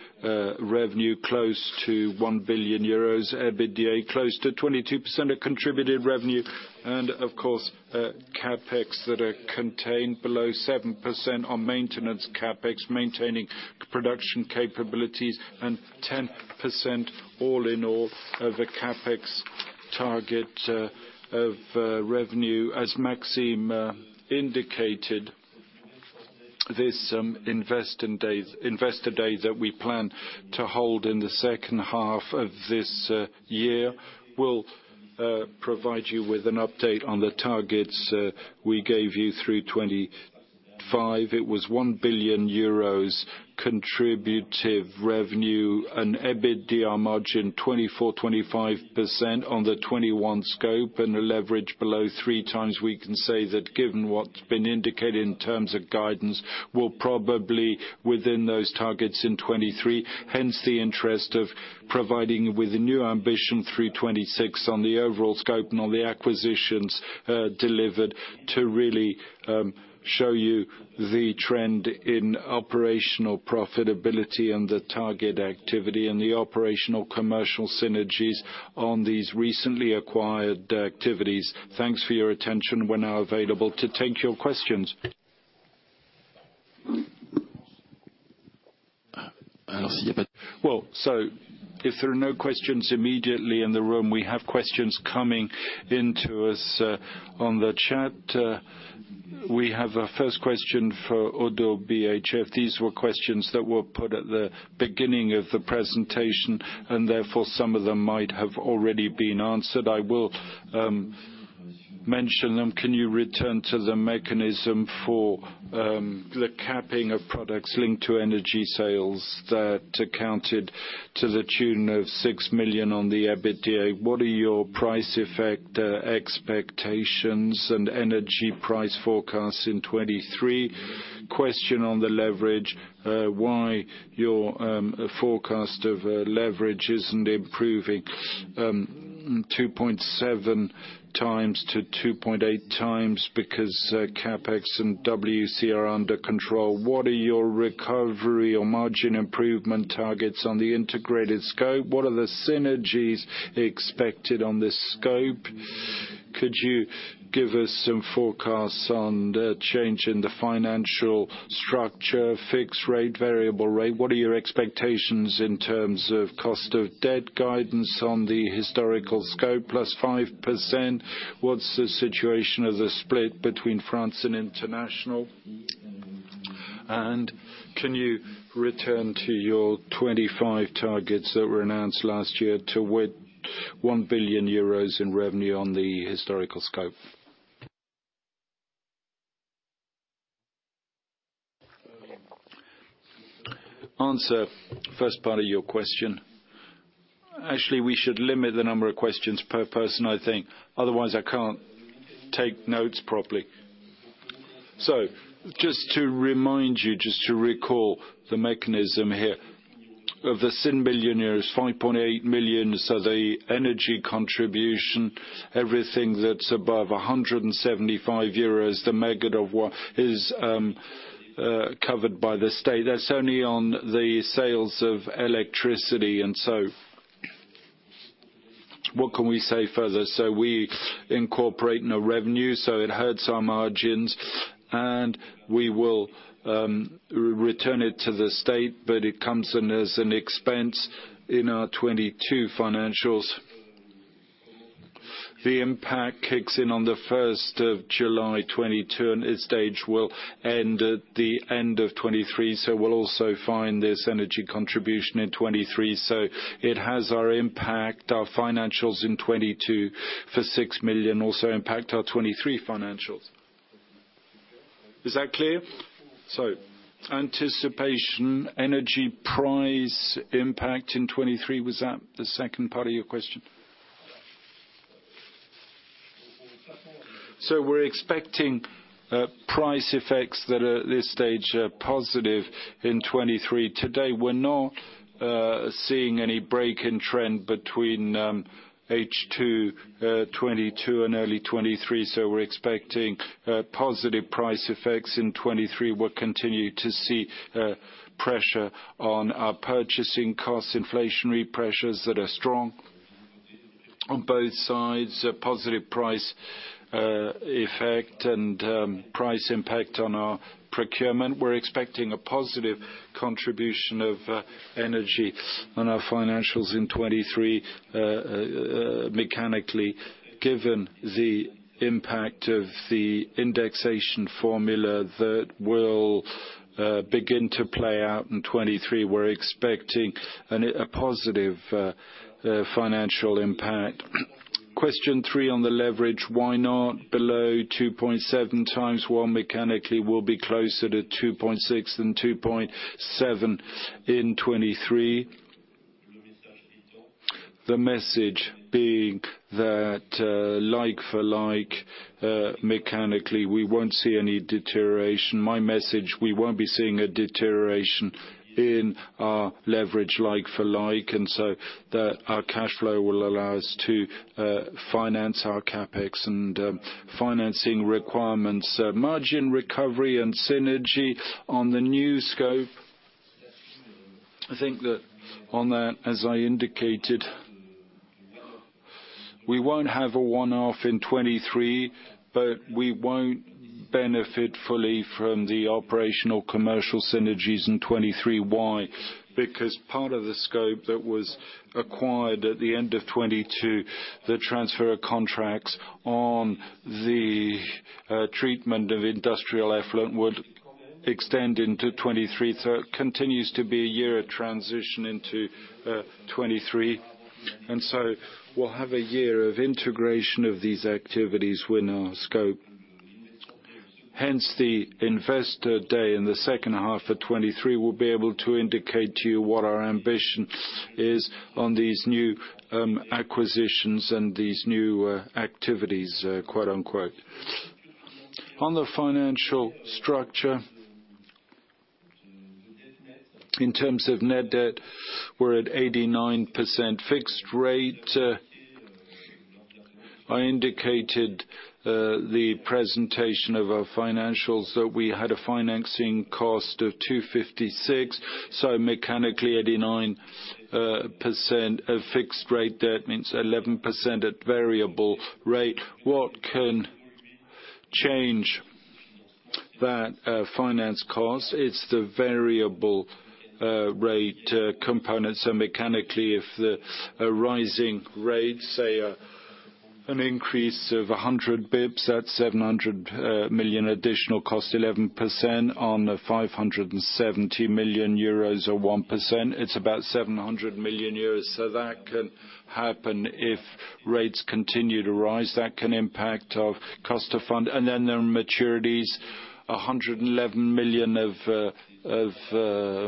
B: revenue close to 1 billion euros, EBITDA close to 22% of contributed revenue, and of course, CapEx that are contained below 7% on maintenance CapEx, maintaining production capabilities, and 10% all in all of the CapEx target of revenue. As Maxime indicated, this investor day that we plan to hold in the second half of this year, we'll provide you with an update on the targets we gave you through 2025. It was 1 billion euros contributive revenue, an EBITDA margin 24%-25% on the 2021 scope, and a leverage below 3x. We can say that given what's been indicated in terms of guidance, we're probably within those targets in 2023. Hence, the interest of providing with the new ambition through 26 on the overall scope and on the acquisitions delivered to really show you the trend in operational profitability and the target activity and the operational commercial synergies on these recently acquired activities. Thanks for your attention. We're now available to take your questions. If there are no questions immediately in the room, we have questions coming into us on the chat. We have a first question for Oddo BHF. These were questions that were put at the beginning of the presentation, and therefore, some of them might have already been answered. I will mention them. Can you return to the mechanism for the capping of products linked to energy sales that accounted to the tune of 6 million on the EBITDA? What are your price effect expectations and energy price forecasts in 23? Question on the leverage, why your forecast of leverage isn't improving 2.7x-2.8x because CapEx and WCR are under control. What are your recovery or margin improvement targets on the integrated scope? What are the synergies expected on this scope? Could you give us some forecasts on the change in the financial structure, fixed rate, variable rate? What are your expectations in terms of cost of debt guidance on the historical scope +5%? What's the situation of the split between France and international? Can you return to your 25 targets that were announced last year to win 1 billion euros in revenue on the historical scope? Answer first part of your question. Actually, we should limit the number of questions per person, I think, otherwise I can't take notes properly. Just to recall the mechanism here. Of the sin billion EUR, 5.8 million are the energy contribution. Everything that's above 175 euros, the megawatt hour is covered by the state. That's only on the sales of electricity and so. What can we say further? We incorporate no revenue, so it hurts our margins, and we will return it to the state, but it comes in as an expense in our 2022 financials. The impact kicks in on the first of July 2022, and it stage will end at the end of 2023, so we'll also find this energy contribution in 2023. It has our impact, our financials in 2022 for 6 million, also impact our 2023 financials. Is that clear? Anticipation, energy price impact in 2023. Was that the second part of your question? We're expecting price effects that are at this stage positive in 2023. Today, we're not seeing any break in trend between H2 2022 and early 2023, we're expecting positive price effects in 2023. We'll continue to see pressure on our purchasing costs, inflationary pressures that are strong on both sides, a positive price effect, and price impact on our procurement. We're expecting a positive contribution of energy on our financials in 2023, mechanically, given the impact of the indexation formula that will begin to play out in 2023. We're expecting a positive financial impact. Question three on the leverage. Why not below 2.7x? Well, mechanically, we'll be closer to 2.6x than 2.7x in 2023. The message being that, like-for-like, mechanically, we won't see any deterioration. My message, we won't be seeing a deterioration in our leverage like-for-like, our cash flow will allow us to finance our CapEx and financing requirements. Margin recovery and synergy on the new scope, I think that on that, as I indicated, we won't have a one-off in 2023, but we won't benefit fully from the operational commercial synergies in 2023. Why? Because part of the scope that was acquired at the end of 2022, the transfer of contracts on the treatment of industrial effluent would extend into 2023. It continues to be a year of transition into 2023. We'll have a year of integration of these activities within our scope. The investor day in the second half of 2023, we'll be able to indicate to you what our ambition is on these new acquisitions and these new activities, quote, unquote. On the financial structure, in terms of net debt, we're at 89% fixed rate. I indicated the presentation of our financials that we had a financing cost of 2.56%, mechanically 89% of fixed rate. That means 11% at variable rate. What can change that finance cost? It's the variable rate component. Mechanically, if the rising rates, say an increase of 100 basis points, that's 700 million additional cost, 11% on 570 million euros or 1%, it's about 700 million euros. That can happen if rates continue to rise. That can impact our cost of fund. There are maturities. 111 million of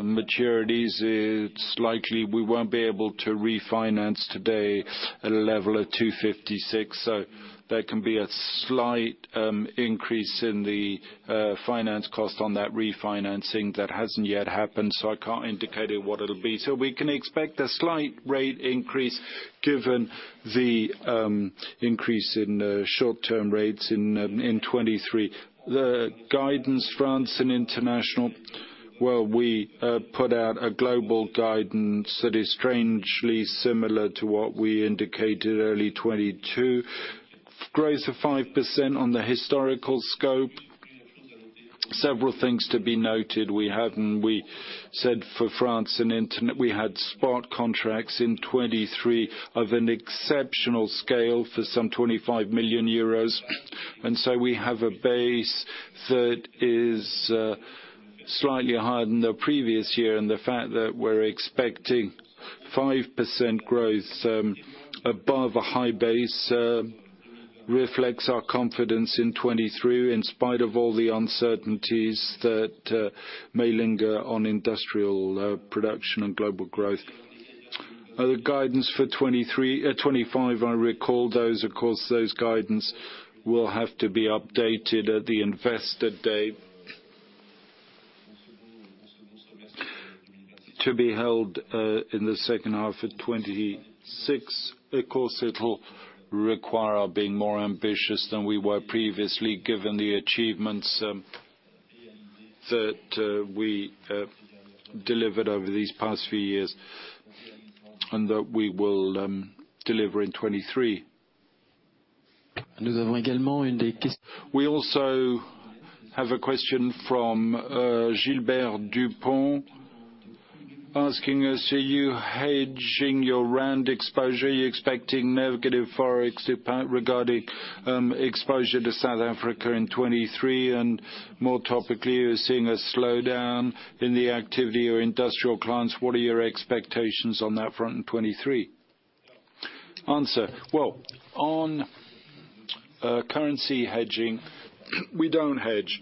B: maturities, it's likely we won't be able to refinance today at a level of 2.56%. There can be a slight increase in the finance cost on that refinancing that hasn't yet happened, so I can't indicate what it'll be. We can expect a slight rate increase given the increase in short-term rates in 2023. The guidance France and international, well, we put out a global guidance that is strangely similar to what we indicated early 2022. Growth of 5% on the historical scope. Several things to be noted. We said for France and Internet, we had spot contracts in 2023 of an exceptional scale for some 25 million euros. We have a base that is slightly higher than the previous year, and the fact that we're expecting 5% growth above a high base reflects our confidence in 2023, in spite of all the uncertainties that may linger on industrial production and global growth. Other guidance for 2023, 2025, I recall those. Of course, those guidance will have to be updated at the investor day to be held in the second half of 2026. Of course, it'll require our being more ambitious than we were previously, given the achievements that we delivered over these past few years and that we will deliver in 2023. We also have a question from Gilbert Dupont asking us, are you hedging your ZAR exposure? Are you expecting negative ForEx impact regarding exposure to South Africa in 2023? More topically, are you seeing a slowdown in the activity of industrial clients? What are your expectations on that front in 2023? Well, on currency hedging, we don't hedge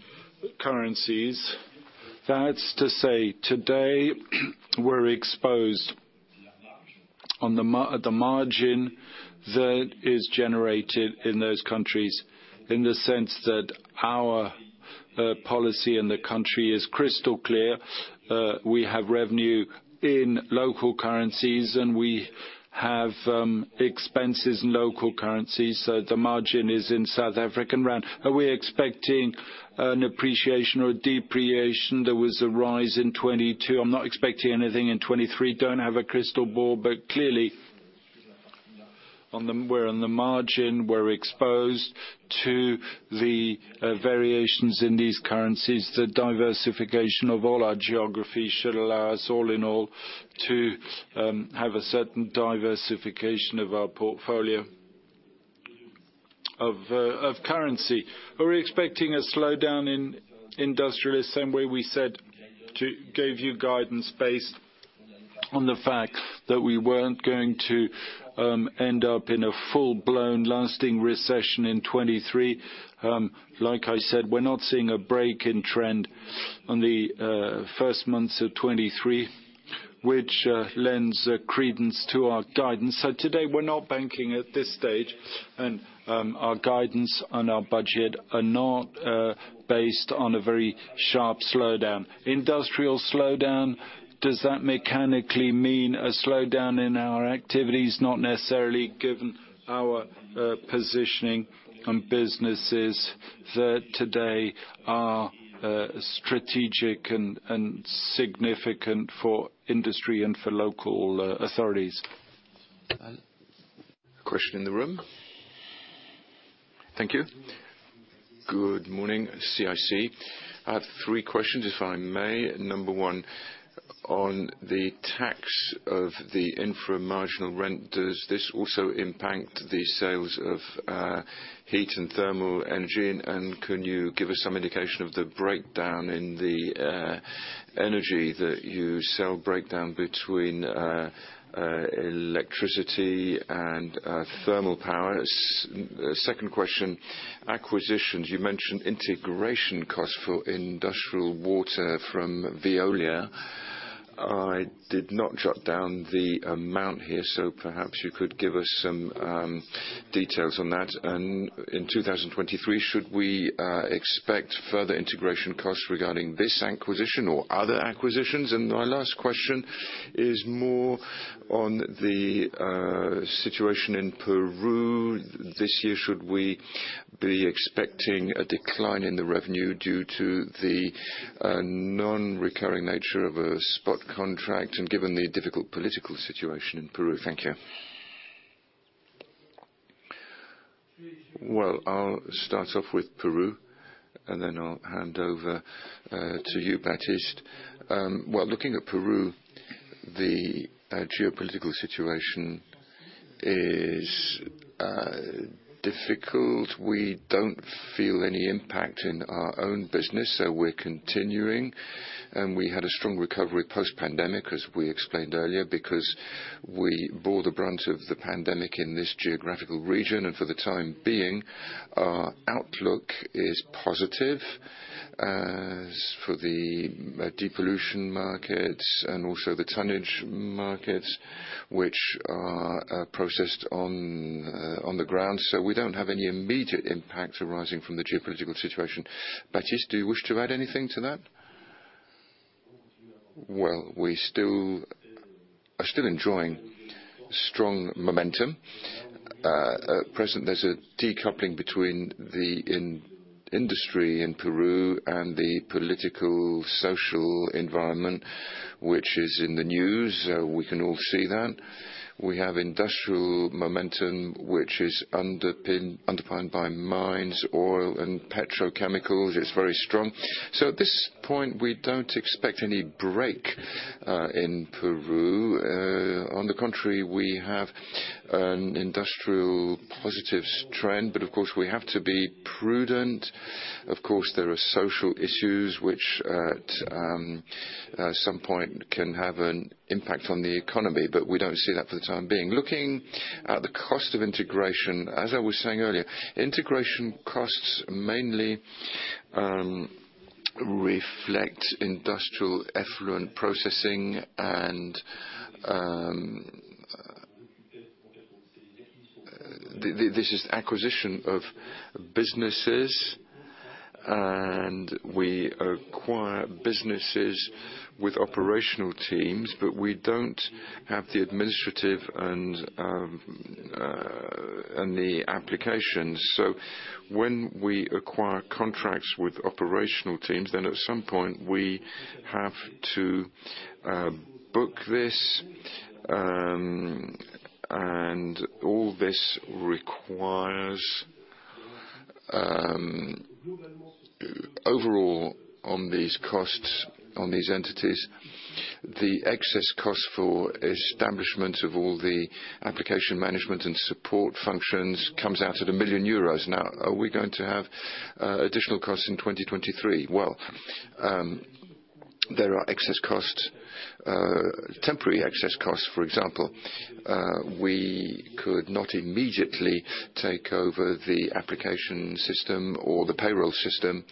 B: currencies. That's to say, today, we're exposed on the margin that is generated in those countries in the sense that our policy in the country is crystal clear. We have revenue in local currencies, and we have expenses in local currencies, so the margin is in South African rand. Are we expecting an appreciation or a depreciation? There was a rise in 2022. I'm not expecting anything in 2023. Don't have a crystal ball, but clearly we're on the margin. We're exposed to the variations in these currencies. The diversification of all our geographies should allow us, all in all, to have a certain diversification of our portfolio of currency. Are we expecting a slowdown in industrials? Same way we said to give you guidance based on the fact that we weren't going to end up in a full-blown lasting recession in 2023. Like I said, we're not seeing a break in trend on the first months of 2023, which lends credence to our guidance. Today, we're not banking at this stage, and our guidance and our budget are not based on a very sharp slowdown. Industrial slowdown, does that mechanically mean a slowdown in our activities? Not necessarily, given our positioning on businesses that today are strategic and significant for industry and for local authorities.
D: A question in the room. Thank you.
E: Good morning. CIC. I have three questions, if I may. Number one, on the tax of the infra-marginal rent, does this also impact the sales of heat and thermal energy? Can you give us some indication of the breakdown in the energy that you sell, breakdown between electricity and thermal power? Second question, acquisitions. You mentioned integration costs for industrial water from Veolia. I did not jot down the amount here, so perhaps you could give us some details on that. In 2023, should we expect further integration costs regarding this acquisition or other acquisitions? My last question is more on the situation in Peru. This year, should we be expecting a decline in the revenue due to the non-recurring nature of a spot contract and given the difficult political situation in Peru? Thank you.
B: Well, I'll start off with Peru, and then I'll hand over to you, Baptiste. Well, looking at Peru, the geopolitical situation is difficult. We don't feel any impact in our own business. We're continuing. We had a strong recovery post-pandemic, as we explained earlier, because we bore the brunt of the pandemic in this geographical region. For the time being, our outlook is positive, as for the depollution markets and also the tonnage markets which are processed on the ground. We don't have any immediate impact arising from the geopolitical situation. Baptiste, do you wish to add anything to that?
C: Well, we are still enjoying strong momentum. At present, there's a decoupling between the in-industry in Peru and the political, social environment Which is in the news, we can all see that. We have industrial momentum, which is underpinned by mines, oil, and petrochemicals. It's very strong. At this point we don't expect any break in Peru. On the contrary, we have an industrial positive trend, but of course, we have to be prudent. Of course, there are social issues which at some point can have an impact on the economy, but we don't see that for the time being. Looking at the cost of integration, as I was saying earlier, integration costs mainly reflect industrial effluent processing and this is acquisition of businesses. We acquire businesses with operational teams, but we don't have the administrative and the applications. When we acquire contracts with operational teams, then at some point we have to book this, and all this requires, overall, on these costs, on these entities, the excess cost for establishment of all the application management and support functions comes out at 1 million euros. Are we going to have additional costs in 2023? There are excess costs, temporary excess costs for example. We could not immediately take over the application system or the payroll system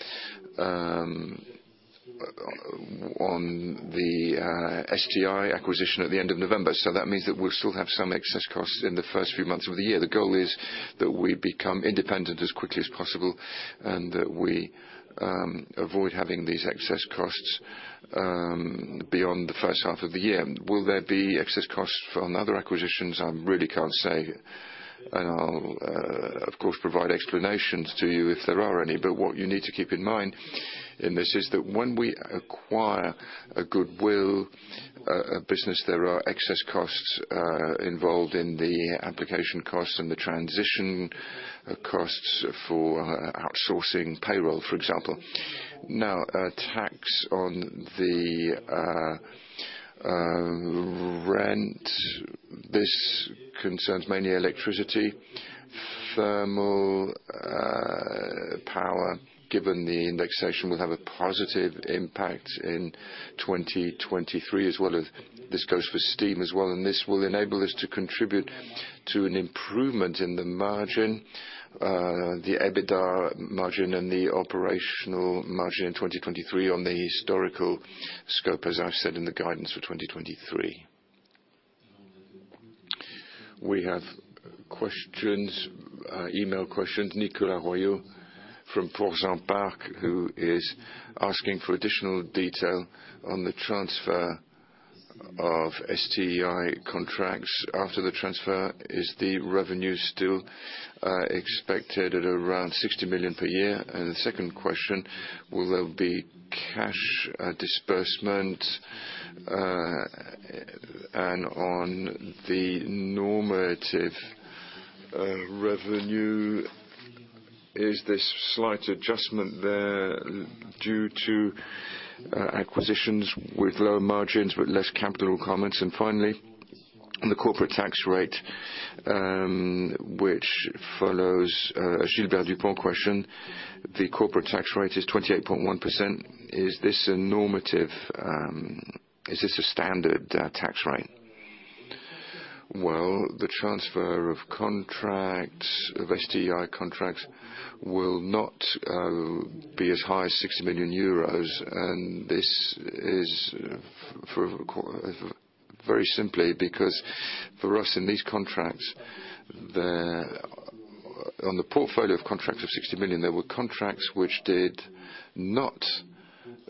C: on the STI acquisition at the end of November. That means that we'll still have some excess costs in the first few months of the year. The goal is that we become independent as quickly as possible, and that we avoid having these excess costs beyond the first half of the year. Will there be excess costs from other acquisitions? I really can't say. I'll, of course, provide explanations to you if there are any. What you need to keep in mind in this is that when we acquire a goodwill, a business there are excess costs involved in the application costs and the transition costs for outsourcing payroll, for example. Now, tax on the rent. This concerns mainly electricity, thermal power, given the indexation will have a positive impact in 2023, as well as this goes for steam as well, and this will enable us to contribute to an improvement in the margin, the EBITDA margin and the operational margin in 2023 on the historical scope, as I've said in the guidance for 2023.
D: We have questions, email questions. Nicolas Royot from Portzamparc, who is asking for additional detail on the transfer of STI contracts. After the transfer, is the revenue still expected at around 60 million per year? The second question, will there be cash disbursement? On the normative revenue, is this slight adjustment there due to acquisitions with lower margins but less capital comments? Finally, on the corporate tax rate, which follows Gilbert Dupont question, the corporate tax rate is 28.1%. Is this a normative, is this a standard tax rate?
C: Well, the transfer of contracts, of STI contracts, will not be as high as 60 million euros. This is for, very simply because for us in these contracts, on the portfolio of contracts of 60 million, there were contracts which did not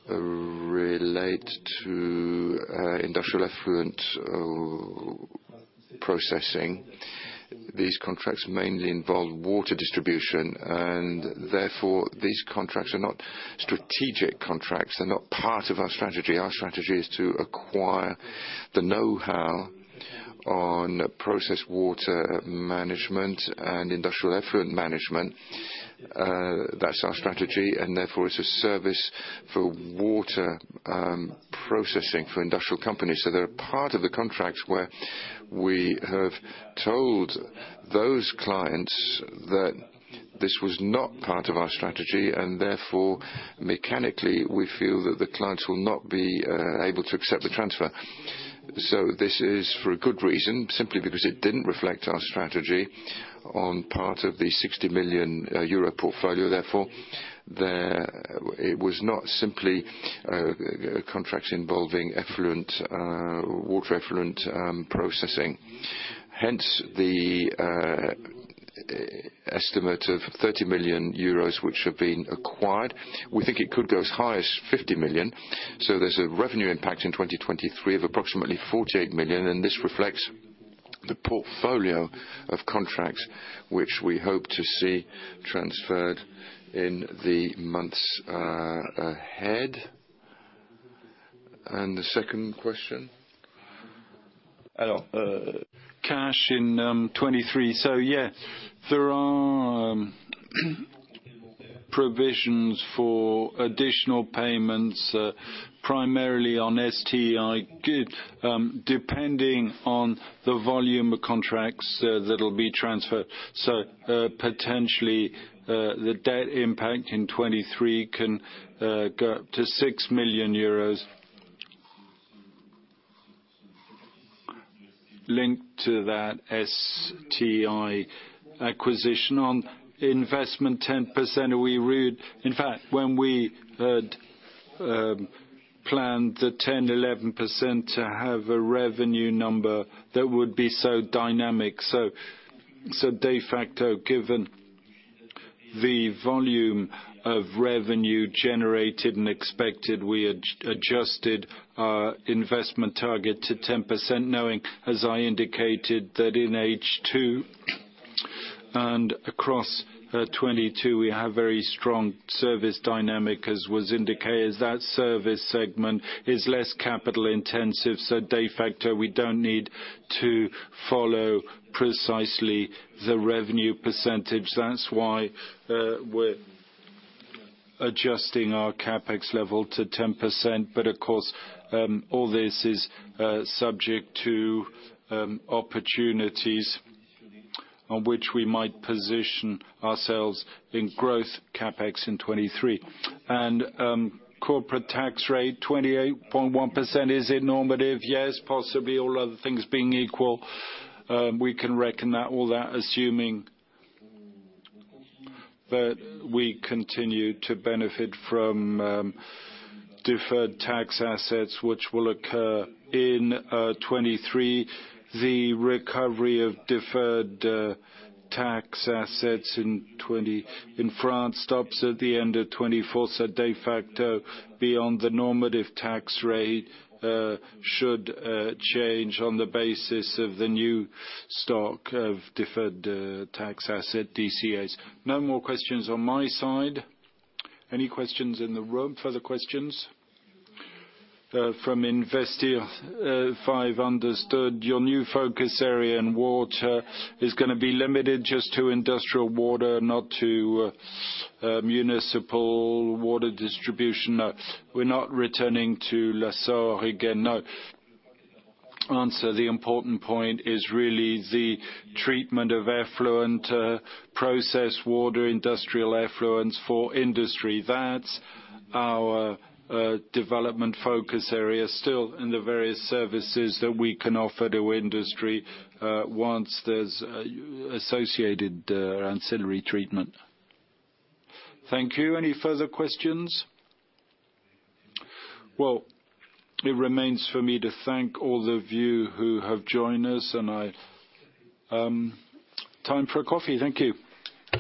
C: relate to industrial effluent processing. These contracts mainly involved water distribution, and therefore, these contracts are not strategic contracts. They're not part of our strategy. Our strategy is to acquire the know-how on process water management and industrial effluent management. That's our strategy, and therefore it's a service for water processing for industrial companies. They're part of the contracts where we have told those clients that this was not part of our strategy, and therefore, mechanically, we feel that the clients will not be able to accept the transfer. This is for a good reason, simply because it didn't reflect our strategy on part of the 60 million euro portfolio, therefore. It was not simply contracts involving effluent, water effluent, processing, hence the estimate of 30 million euros which have been acquired. We think it could go as high as 50 million. There's a revenue impact in 2023 of approximately 48 million, and this reflects the portfolio of contracts which we hope to see transferred in the months ahead. The second question?
B: Cash in 2023. There are provisions for additional payments, primarily on STI. Good. Depending on the volume of contracts that'll be transferred. Potentially, the debt impact in 2023 can go up to 6 million euros. Linked to that STI acquisition. On investment 10% we read. In fact, when we had planned the 10%-11% to have a revenue number that would be so dynamic. De facto, given the volume of revenue generated and expected, we adjusted our investment target to 10%, knowing, as I indicated, that in H2 and across 2022, we have very strong service dynamic, as was indicated. That service segment is less capital-intensive, de facto, we don't need to follow precisely the revenue percentage. That's why we're adjusting our CapEx level to 10%. Of course, all this is subject to opportunities on which we might position ourselves in growth CapEx in 2023. Corporate tax rate 28.1%, is it normative? Yes, possibly. All other things being equal, we can reckon that, all that, assuming that we continue to benefit from deferred tax assets which will occur in 2023. The recovery of deferred tax assets in France stops at the end of 2024. De facto, beyond the normative tax rate, should change on the basis of the new stock of deferred tax asset DTAs. No more questions on my side. Any questions in the room? Further questions? From Invest Securities, if I've understood, your new focus area in water is gonna be limited just to industrial water, not to municipal water distribution? No. We're not returning to La Saulce again. No. Answer, the important point is really the treatment of effluent, process water, industrial effluents for industry. That's our development focus area, still in the various services that we can offer to industry, once there's associated ancillary treatment. Thank you. Any further questions? Well, it remains for me to thank all of you who have joined us and I... Time for a coffee. Thank you.